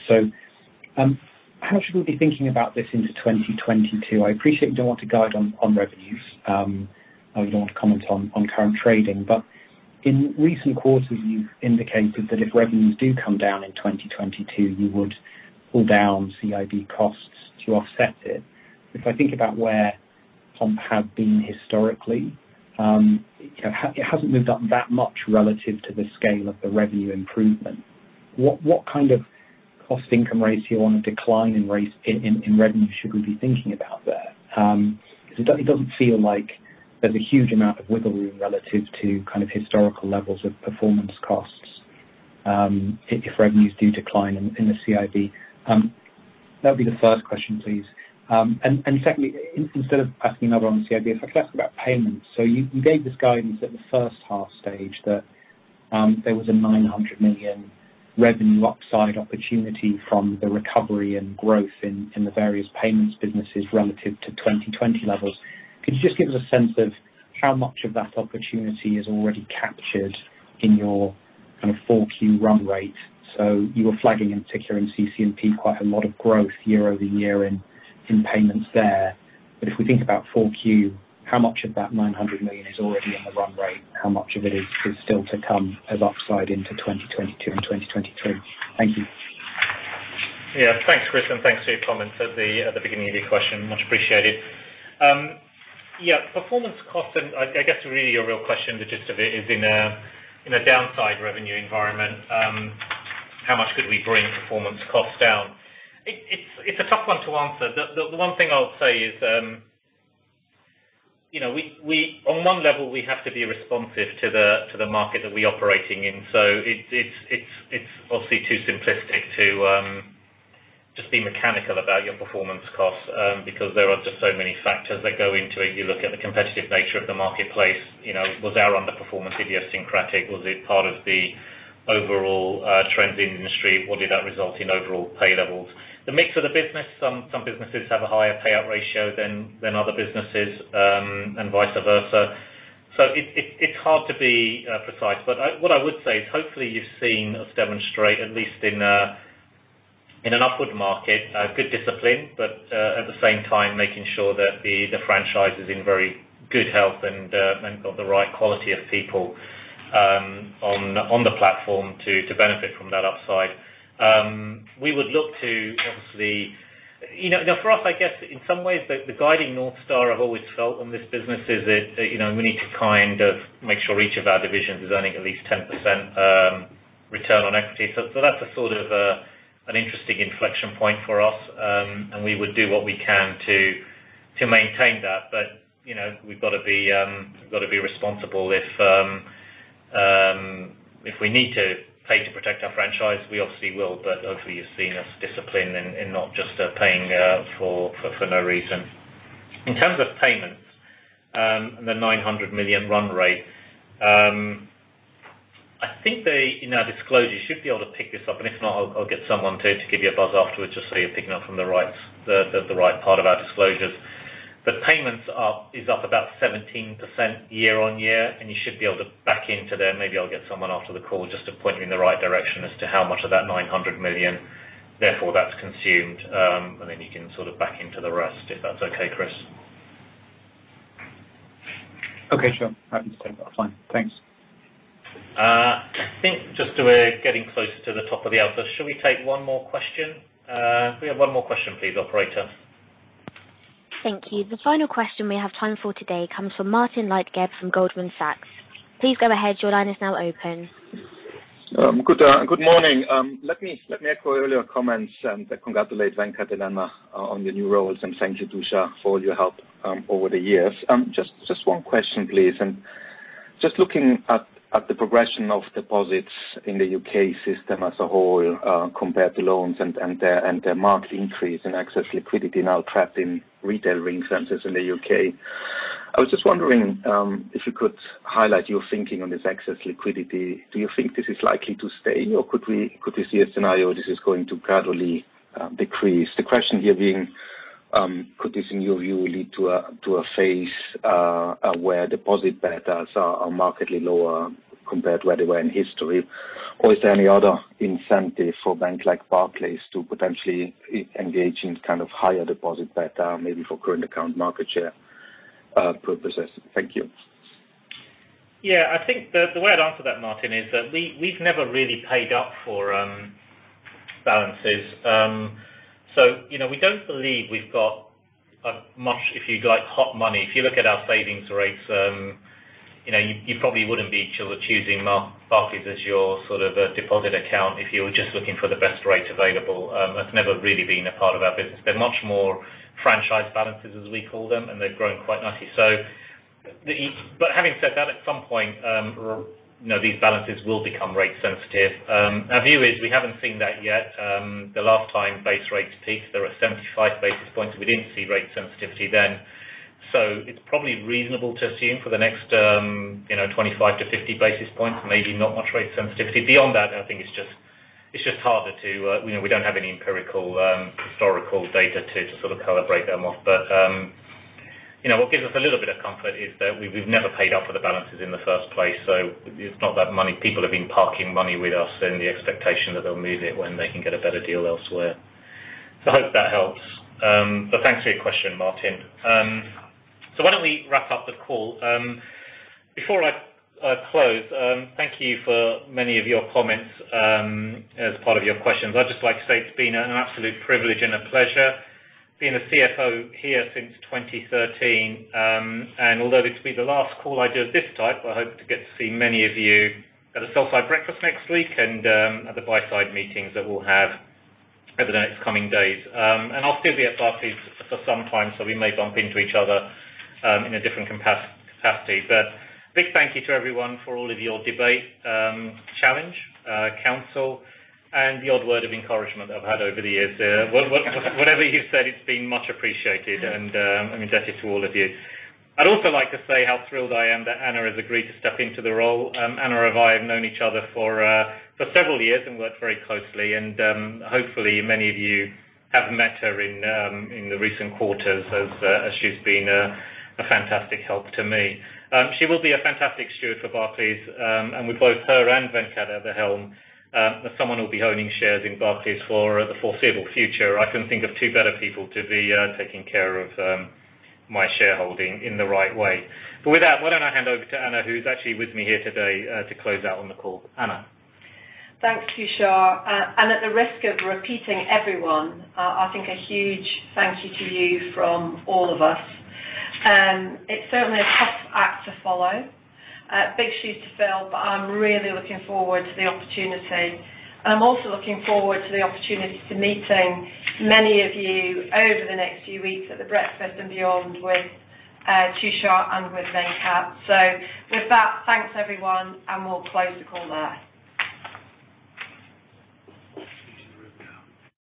How should we be thinking about this into 2022? I appreciate you don't want to guide on revenues. You don't want to comment on current trading. In recent quarters, you've indicated that if revenues do come down in 2022, you would pull down CIB costs to offset it. If I think about where comp have been historically, it hasn't moved up that much relative to the scale of the revenue improvement. What kind of cost income ratio on a decline in revenue should we be thinking about there? 'Cause it doesn't feel like there's a huge amount of wiggle room relative to kind of historical levels of performance costs, if revenues do decline in the CIB. That would be the first question, please. Secondly, instead of asking another one on CIB, if I could ask about payments. You gave this guidance at the first half stage that there was a 900 million revenue upside opportunity from the recovery and growth in the various payments businesses relative to 2020 levels. Could you just give us a sense of how much of that opportunity is already captured in your kind of 4Q run rate? You were flagging in particular in CC&P quite a lot of growth year-over-year in payments there. If we think about Q4, how much of that 900 million is already in the run rate? How much of it is still to come as upside into 2022 and 2022? Thank you. Yeah. Thanks, Chris, and thanks for your comments at the beginning of your question. Much appreciated. Yeah, performance costs, and I guess really your real question, the gist of it is in a downside revenue environment, how much could we bring performance costs down? It's a tough one to answer. The one thing I would say is, you know, on one level we have to be responsive to the market that we're operating in. So it's obviously too simplistic to just be mechanical about your performance costs, because there are just so many factors that go into it. You look at the competitive nature of the marketplace. You know, was our underperformance idiosyncratic? Was it part of the overall trends in the industry? What did that result in overall pay levels? The mix of the business, some businesses have a higher payout ratio than other businesses, and vice versa. It's hard to be precise, but what I would say is, hopefully you've seen us demonstrate, at least in an upward market, a good discipline, but at the same time, making sure that the franchise is in very good health and got the right quality of people, on the platform to benefit from that upside. We would look to obviously. You know, now for us, I guess, in some ways the guiding north star I've always felt on this business is that, you know, we need to kind of make sure each of our divisions is earning at least 10% return on equity. That's a sort of an interesting inflection point for us. We would do what we can to maintain that. You know, we've gotta be responsible. If we need to pay to protect our franchise, we obviously will. Hopefully you've seen our discipline and not just paying for no reason. In terms of payments, the 900 million run rate, I think in our disclosures, you should be able to pick this up, and if not, I'll get someone to give you a buzz afterwards, just so you're picking up from the right part of our disclosures. Payments are up about 17% year-on-year, and you should be able to back into them. Maybe I'll get someone after the call just to point you in the right direction as to how much of that 900 million thereof that's consumed. You can sort of back into the rest, if that's okay, Chris. Okay, sure. I understand. That's fine. Thanks. I think just so we're getting closer to the top of the hour. Should we take one more question? Can we have one more question please, Operator? Thank you. The final question we have time for today comes from Martin Leitgeb from Goldman Sachs. Please go ahead. Your line is now open. Good morning. Let me echo earlier comments and congratulate Venkat and Anna on your new roles, and thank you, Tushar, for all your help over the years. Just one question, please. Just looking at the progression of deposits in the U.K. system as a whole, compared to loans and their marked increase in excess liquidity now trapped in retail ring fences in the U.K., I was just wondering if you could highlight your thinking on this excess liquidity. Do you think this is likely to stay, or could we see a scenario this is going to gradually decrease? The question here being, could this in your view lead to a phase where deposit betas are markedly lower compared to where they were in history? Is there any other incentive for banks like Barclays to potentially re-engage in kind of higher deposit beta, maybe for current account market share purposes? Thank you. Yeah. I think the way I'd answer that, Martin, is that we've never really paid up for balances. So, you know, we don't believe we've got much, if you like, hot money. If you look at our savings rates, you know, you probably wouldn't be choosing Barclays as your sort of deposit account if you were just looking for the best rate available. That's never really been a part of our business. They're much more franchise balances, as we call them, and they've grown quite nicely. Having said that, at some point, you know, these balances will become rate sensitive. Our view is we haven't seen that yet. The last time base rates peaked, there were 75 basis points. We didn't see rate sensitivity then. It's probably reasonable to assume for the next, you know, 25-50 basis points, maybe not much rate sensitivity. Beyond that, I think it's just harder to. You know, we don't have any empirical historical data to sort of calibrate them off. You know, what gives us a little bit of comfort is that we've never paid off for the balances in the first place. It's not that money. People have been parking money with us in the expectation that they'll move it when they can get a better deal elsewhere. I hope that helps. Thanks for your question, Martin. Why don't we wrap up the call. Before I close, thank you for many of your comments as part of your questions. I'd just like to say it's been an absolute privilege and a pleasure being a CFO here since 2013. Although this will be the last call I do of this type, I hope to get to see many of you at a sell-side breakfast next week and at the buy-side meetings that we'll have over the next coming days. I'll still be at Barclays for some time, so we may bump into each other in a different capacity. Big thank you to everyone for all of your debate, challenge, counsel, and the odd word of encouragement I've had over the years. Whatever you said, it's been much appreciated and I mean, thank you to all of you. I'd also like to say how thrilled I am that Anna has agreed to step into the role. Anna and I have known each other for several years and worked very closely, and hopefully many of you have met her in the recent quarters as she's been a fantastic help to me. She will be a fantastic steward for Barclays. With both her and Venkat at the helm, as someone who'll be owning shares in Barclays for the foreseeable future, I couldn't think of two better people to be taking care of my shareholding in the right way. With that, why don't I hand over to Anna, who's actually with me here today, to close out on the call. Anna. Thanks, Tushar. At the risk of repeating everyone, I think a huge thank you to you from all of us. It's certainly a tough act to follow, a big shoe to fill, but I'm really looking forward to the opportunity. I'm also looking forward to the opportunity to meeting many of you over the next few weeks at the breakfast and beyond with Tushar and with Venkat. With that, thanks, everyone, and we'll close the call there.